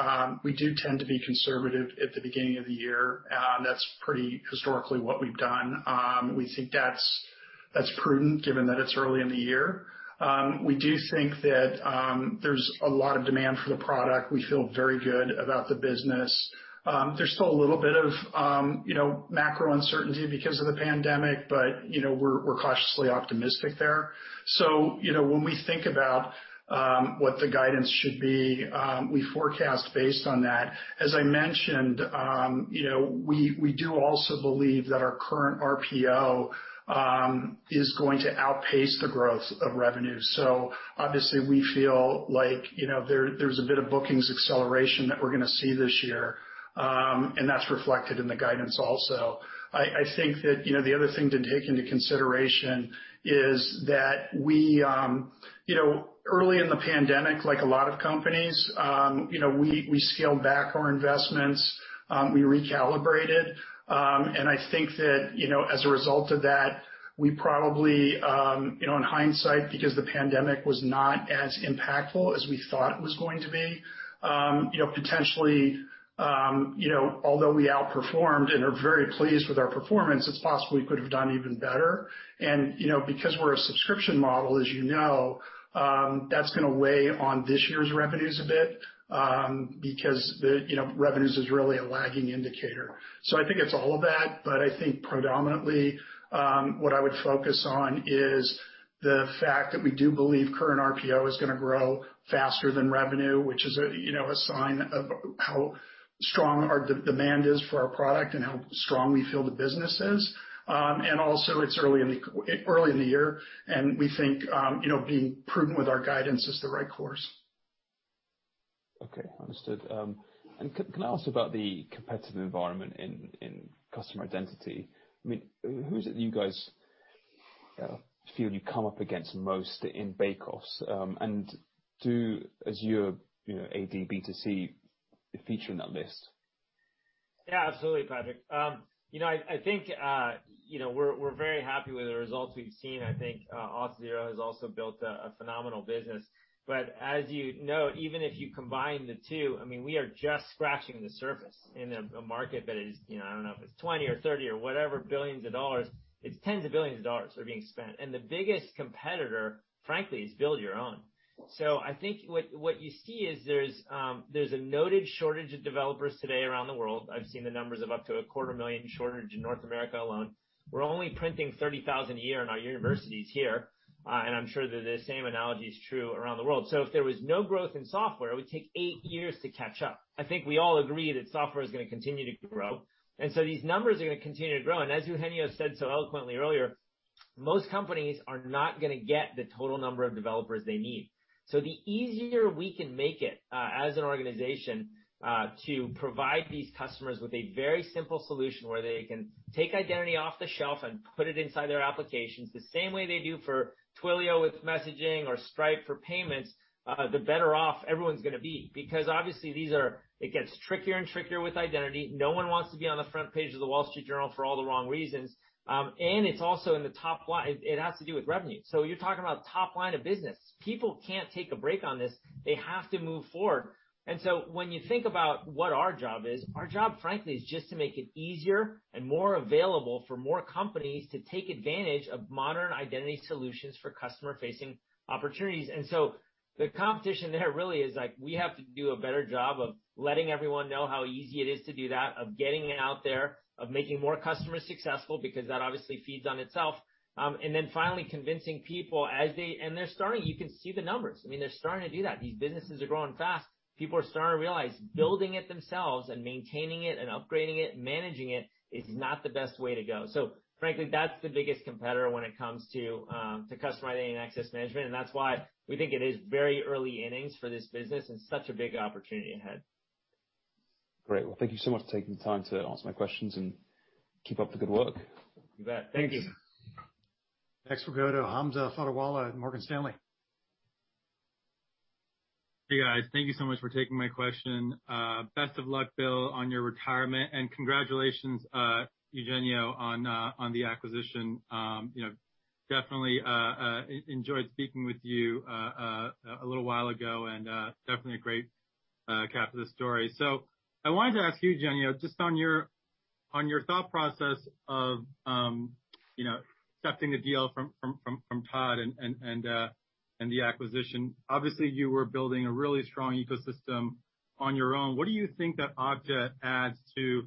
do tend to be conservative at the beginning of the year. That's pretty historically what we've done. We think that's prudent, given that it's early in the year. We do think that there's a lot of demand for the product. We feel very good about the business. There's still a little bit of macro uncertainty because of the pandemic, but we're cautiously optimistic there. When we think about what the guidance should be, we forecast based on that. As I mentioned, we do also believe that our Current RPO is going to outpace the growth of revenue. Obviously, we feel like there's a bit of bookings acceleration that we're going to see this year, and that's reflected in the guidance also. I think that the other thing to take into consideration is that early in the pandemic, like a lot of companies, we scaled back our investments. We recalibrated. I think that as a result of that, we probably, in hindsight, because the pandemic was not as impactful as we thought it was going to be, potentially, although we outperformed and are very pleased with our performance, it's possible we could have done even better. Because we're a subscription model, as you know, that's going to weigh on this year's revenues a bit, because revenues is really a lagging indicator. I think it's all of that, but I think predominantly, what I would focus on is the fact that we do believe Current RPO is going to grow faster than revenue, which is a sign of how strong our demand is for our product and how strong we feel the business is. Also, it's early in the year, and we think being prudent with our guidance is the right course. Okay. Understood. Can I ask about the competitive environment in customer identity? Who is it you guys feel you come up against most in bake-offs? Do Azure AD B2C feature in that list? Absolutely, Patrick. I think we are very happy with the results we have seen. I think Auth0 has also built a phenomenal business. As you know, even if you combine the two, we are just scratching the surface in a market that is, I don't know if it's $20 billion or $30 billion or whatever. It's tens of billions of dollars are being spent. The biggest competitor, frankly, is build your own. I think what you see is there's a noted shortage of developers today around the world. I've seen the numbers of up to a 250,000 shortage in North America alone. We are only printing 30,000 a year in our universities here. And I'm sure that the same analogy is true around the world. If there was no growth in software, it would take eight years to catch up. I think we all agree that software is going to continue to grow, and so these numbers are going to continue to grow. As Eugenio said so eloquently earlier, most companies are not going to get the total number of developers they need. The easier we can make it as an organization to provide these customers with a very simple solution where they can take identity off the shelf and put it inside their applications, the same way they do for Twilio with messaging or Stripe for payments, the better off everyone's going to be. Because obviously, it gets trickier and trickier with identity. No one wants to be on the front page of The Wall Street Journal for all the wrong reasons. It has to do with revenue. You're talking about top line of business. People can't take a break on this. They have to move forward. When you think about what our job is, our job, frankly, is just to make it easier and more available for more companies to take advantage of modern identity solutions for customer-facing opportunities. The competition there really is, we have to do a better job of letting everyone know how easy it is to do that, of getting it out there, of making more customers successful, because that obviously feeds on itself. Finally convincing people as they're starting, you can see the numbers. They're starting to do that. These businesses are growing fast. People are starting to realize building it themselves and maintaining it and upgrading it and managing is not the best way to go. Frankly, that's the biggest competitor when it comes to Customer Identity and Access Management. That's why we think it is very early innings for this business and such a big opportunity ahead. Great. Well, thank you so much for taking the time to answer my questions, and keep up the good work. You bet. Thank you. Next, we'll go to Hamza Fodderwala at Morgan Stanley. Hey, guys. Thank you so much for taking my question. Best of luck, Bill, on your retirement, and congratulations, Eugenio, on the acquisition. Definitely enjoyed speaking with you a little while ago and definitely a great cap to the story. I wanted to ask you, Eugenio, just on your thought process of accepting a deal from Todd and the acquisition. Obviously, you were building a really strong ecosystem on your own. What do you think that Okta adds to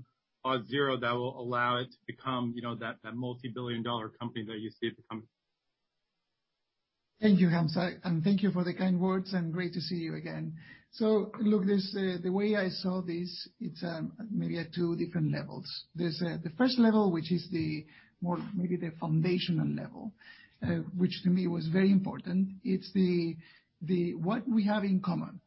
Auth0 that will allow it to become that multibillion-dollar company that you see it becoming? Thank you, Hamza. Thank you for the kind words and great to see you again. Look, the way I saw this, it's maybe at two different levels. There's the first level, which is maybe the foundational level, which to me was very important. It's the what we have in common.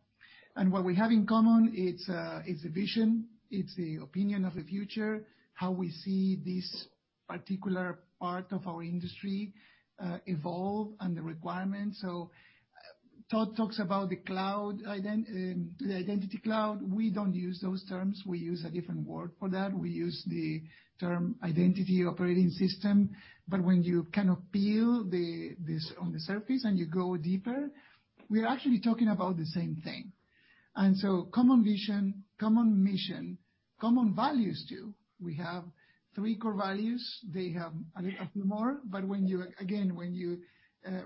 What we have in common, it's the vision, it's the opinion of the future, how we see this particular part of our industry evolve and the requirements. Todd talks about the Identity Cloud. We don't use those terms. We use a different word for that. We use the term identity operating system. When you kind of peel on the surface and you go deeper, we are actually talking about the same thing. Common vision, common mission, common values too. We have three core values. They have a few more, but again, when you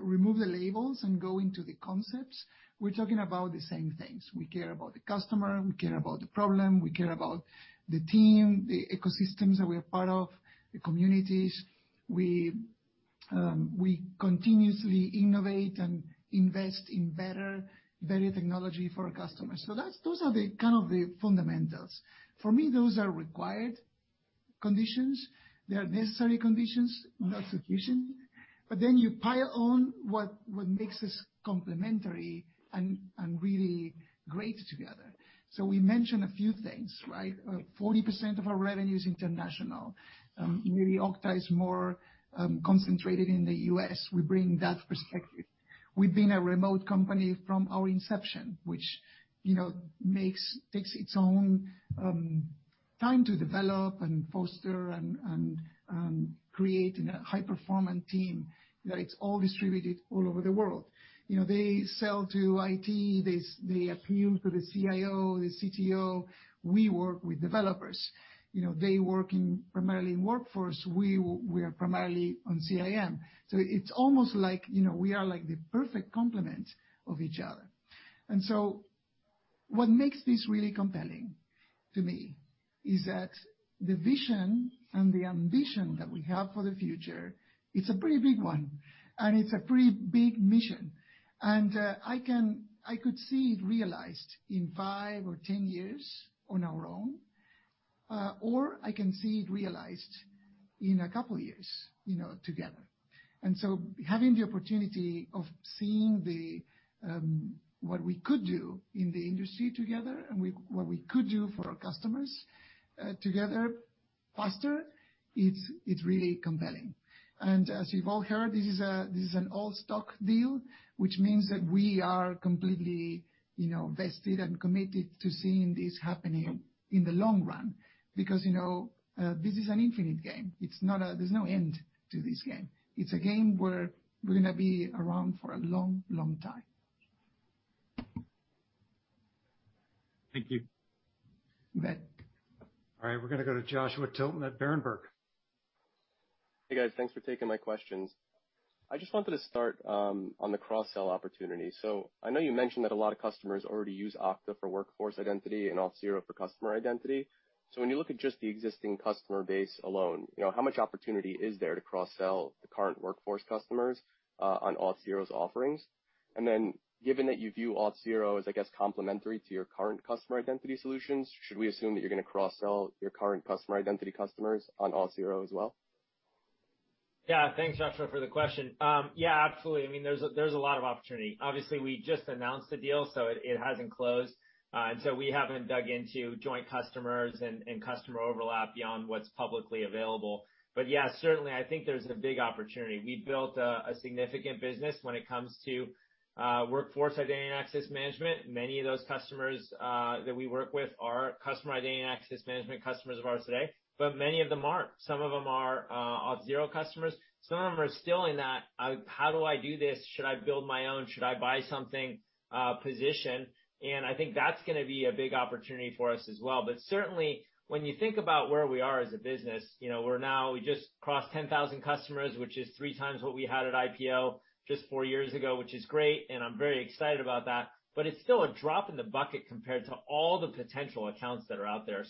remove the labels and go into the concepts, we're talking about the same things. We care about the customer, we care about the problem, we care about the team, the ecosystems that we are part of, the communities. We continuously innovate and invest in better technology for our customers. Those are the fundamentals. For me, those are required conditions. They are necessary conditions, not sufficient. You pile on what makes this complementary and really great together. We mentioned a few things, right? 40% of our revenue is international. Okta is more concentrated in the U.S. We bring that perspective. We've been a remote company from our inception, which takes its own time to develop and foster and create a high-performance team that it's all distributed all over the world. They sell to IT. They appeal to the CIO, the CTO. We work with developers. They work primarily in Workforce. We are primarily on CIAM. It's almost like we are the perfect complement of each other. What makes this really compelling to me is that the vision and the ambition that we have for the future, it's a pretty big one, and it's a pretty big mission. I could see it realized in five or 10 years on our own, or I can see it realized in a couple of years together. Having the opportunity of seeing what we could do in the industry together and what we could do for our customers together faster, it's really compelling. As you've all heard, this is an all-stock deal, which means that we are completely vested and committed to seeing this happening in the long-run. This is an infinite game. There's no end to this game. It's a game where we're going to be around for a long, long time. Thank you. You bet. All right, we're going to go to Joshua Tilton at Berenberg. Hey, guys. Thanks for taking my questions. I just wanted to start on the cross-sell opportunity. I know you mentioned that a lot of customers already use Okta for workforce identity and Auth0 for customer identity. When you look at just the existing customer base alone, how much opportunity is there to cross-sell the current Workforce customers on Auth0's offerings? Given that you view Auth0 as, I guess, complementary to your current Customer Identity solutions, should we assume that you're going to cross-sell your current Customer Identity customers on Auth0 as well? Yeah. Thanks, Joshua, for the question. Yeah, absolutely. There's a lot of opportunity. Obviously, we just announced the deal, so it hasn't closed. So we haven't dug into joint customers and customer overlap beyond what's publicly available. Yeah, certainly, I think there's a big opportunity. We've built a significant business when it comes to workforce identity and access management. Many of those customers that we work with are Customer Identity and Access Management customers of ours today, but many of them aren't. Some of them are Auth0 customers. Some of them are still in that, how do I do this? Should I build my own? Should I buy something? Position. I think that's going to be a big opportunity for us as well. Certainly, when you think about where we are as a business, we just crossed 10,000 customers, which is three times what we had at IPO just four years ago, which is great, and I'm very excited about that. It's still a drop in the bucket compared to all the potential accounts that are out there.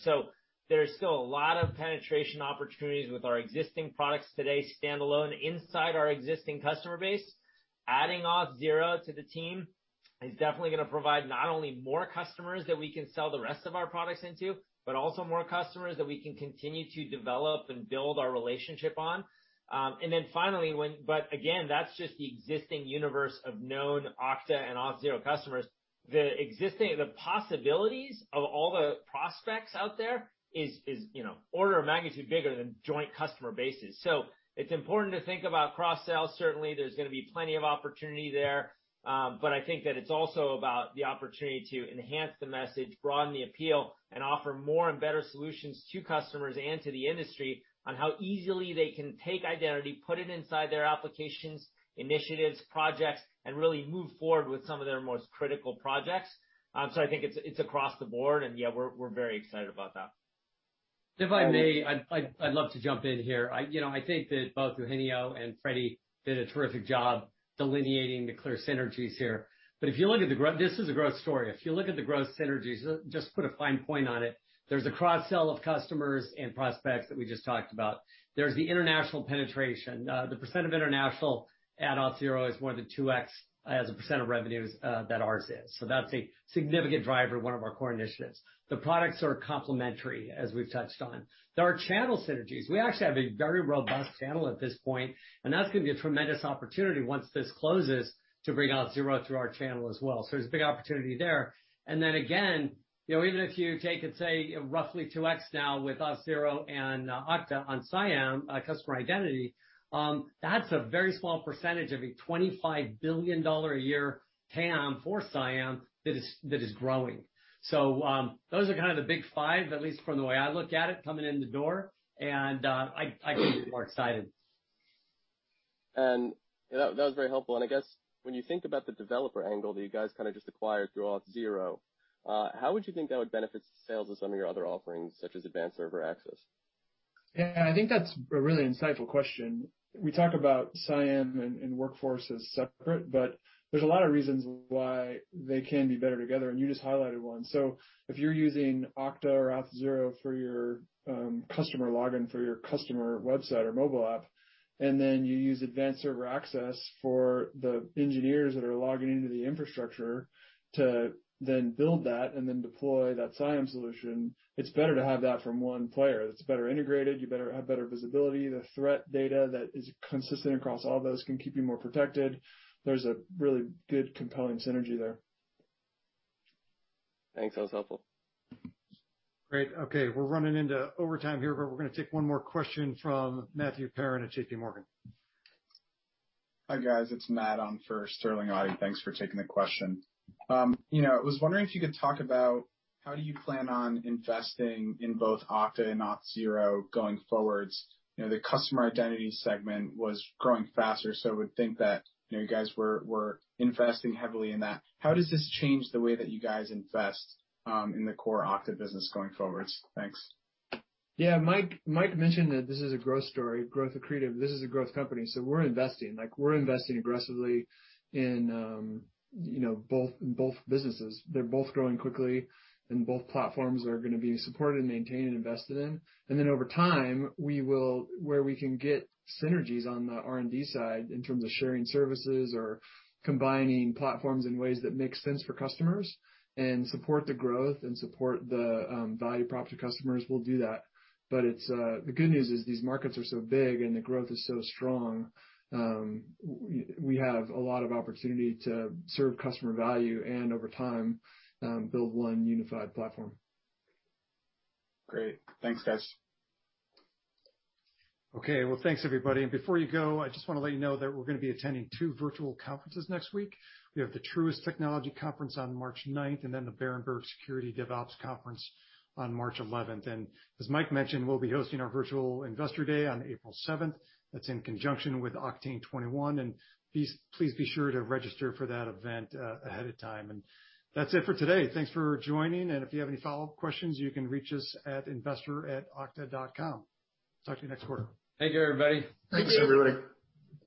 There's still a lot of penetration opportunities with our existing products today, standalone inside our existing customer base. Adding Auth0 to the team is definitely going to provide not only more customers that we can sell the rest of our products into, but also more customers that we can continue to develop and build our relationship on. Again, that's just the existing universe of known Okta and Auth0 customers. The possibilities of all the prospects out there is order of magnitude bigger than joint customer bases. It's important to think about cross-sales. Certainly, there's going to be plenty of opportunity there. I think that it's also about the opportunity to enhance the message, broaden the appeal, and offer more and better solutions to customers and to the industry on how easily they can take identity, put it inside their applications, initiatives, projects, and really move forward with some of their most critical projects. I think it's across the board. Yeah, we're very excited about that. If I may, I'd love to jump in here. I think that both Eugenio and Freddy did a terrific job delineating the clear synergies here. This is a growth story. If you look at the growth synergies, just put a fine point on it. There's a cross-sell of customers and prospects that we just talked about. There's the international penetration. The percent of international at Auth0 is more than 2x as a percent of revenues that ours is. So that's a significant driver, one of our core initiatives. The products are complementary, as we've touched on. There are channel synergies. We actually have a very robust channel at this point, and that's going to be a tremendous opportunity once this closes to bring Auth0 through our channel as well. So there's a big opportunity there. Then again, even if you take, let say, roughly 2x now with Auth0 and Okta on CIAM, Customer Identity, that's a very small percentage of a $25 billion a year TAM for CIAM that is growing. Those are kind of the big five, at least from the way I look at it coming in the door, and I couldn't be more excited. That was very helpful. I guess when you think about the developer angle that you guys just acquired through Auth0, how would you think that would benefit sales of some of your other offerings, such as Advanced Server Access? Yeah, I think that's a really insightful question. We talk about CIAM and Workforce as separate, but there's a lot of reasons why they can be better together, and you just highlighted one. If you're using Okta or Auth0 for your customer login for your customer website or mobile app, and then you use Advanced Server Access for the engineers that are logging into the infrastructure to then build that and then deploy that CIAM solution, it's better to have that from one player. It's better integrated. You have better visibility. The threat data that is consistent across all those can keep you more protected. There's a really good compelling synergy there. Thanks. That was helpful. Great. Okay, we're running into overtime here. We're going to take one more question from Matthew Parron at JPMorgan. Hi, guys. It's Matt on for Sterling Auty. Thanks for taking the question. I was wondering if you could talk about how do you plan on investing in both Okta and Auth0 going forwards? The customer identity segment was growing faster, so I would think that you guys were investing heavily in that. How does this change the way that you guys invest in the core Okta business going forwards? Thanks. Yeah. Mike mentioned that this is a growth story, growth accretive. This is a growth company. We're investing. We're investing aggressively in both businesses. They're both growing quickly, and both platforms are going to be supported and maintained and invested in. Over time, where we can get synergies on the R&D side in terms of sharing services or combining platforms in ways that make sense for customers and support the growth and support the value prop to customers, we'll do that. The good news is these markets are so big, and the growth is so strong. We have a lot of opportunity to serve customer value and over time, build one unified platform. Great. Thanks, guys. Okay. Well, thanks everybody. Before you go, I just want to let you know that we're going to be attending two virtual conferences next week. We have the Truist Securities Technology Conference on March ninth, then the Berenberg Thematic Software Conference on March 11th. As Mike mentioned, we'll be hosting our virtual Investor Day on April seventh. That's in conjunction with Oktane 2021. Please be sure to register for that event ahead of time. That's it for today. Thanks for joining. If you have any follow-up questions, you can reach us at investor@okta.com. Talk to you next quarter. Thank you, everybody. Thank you. Thanks, everybody.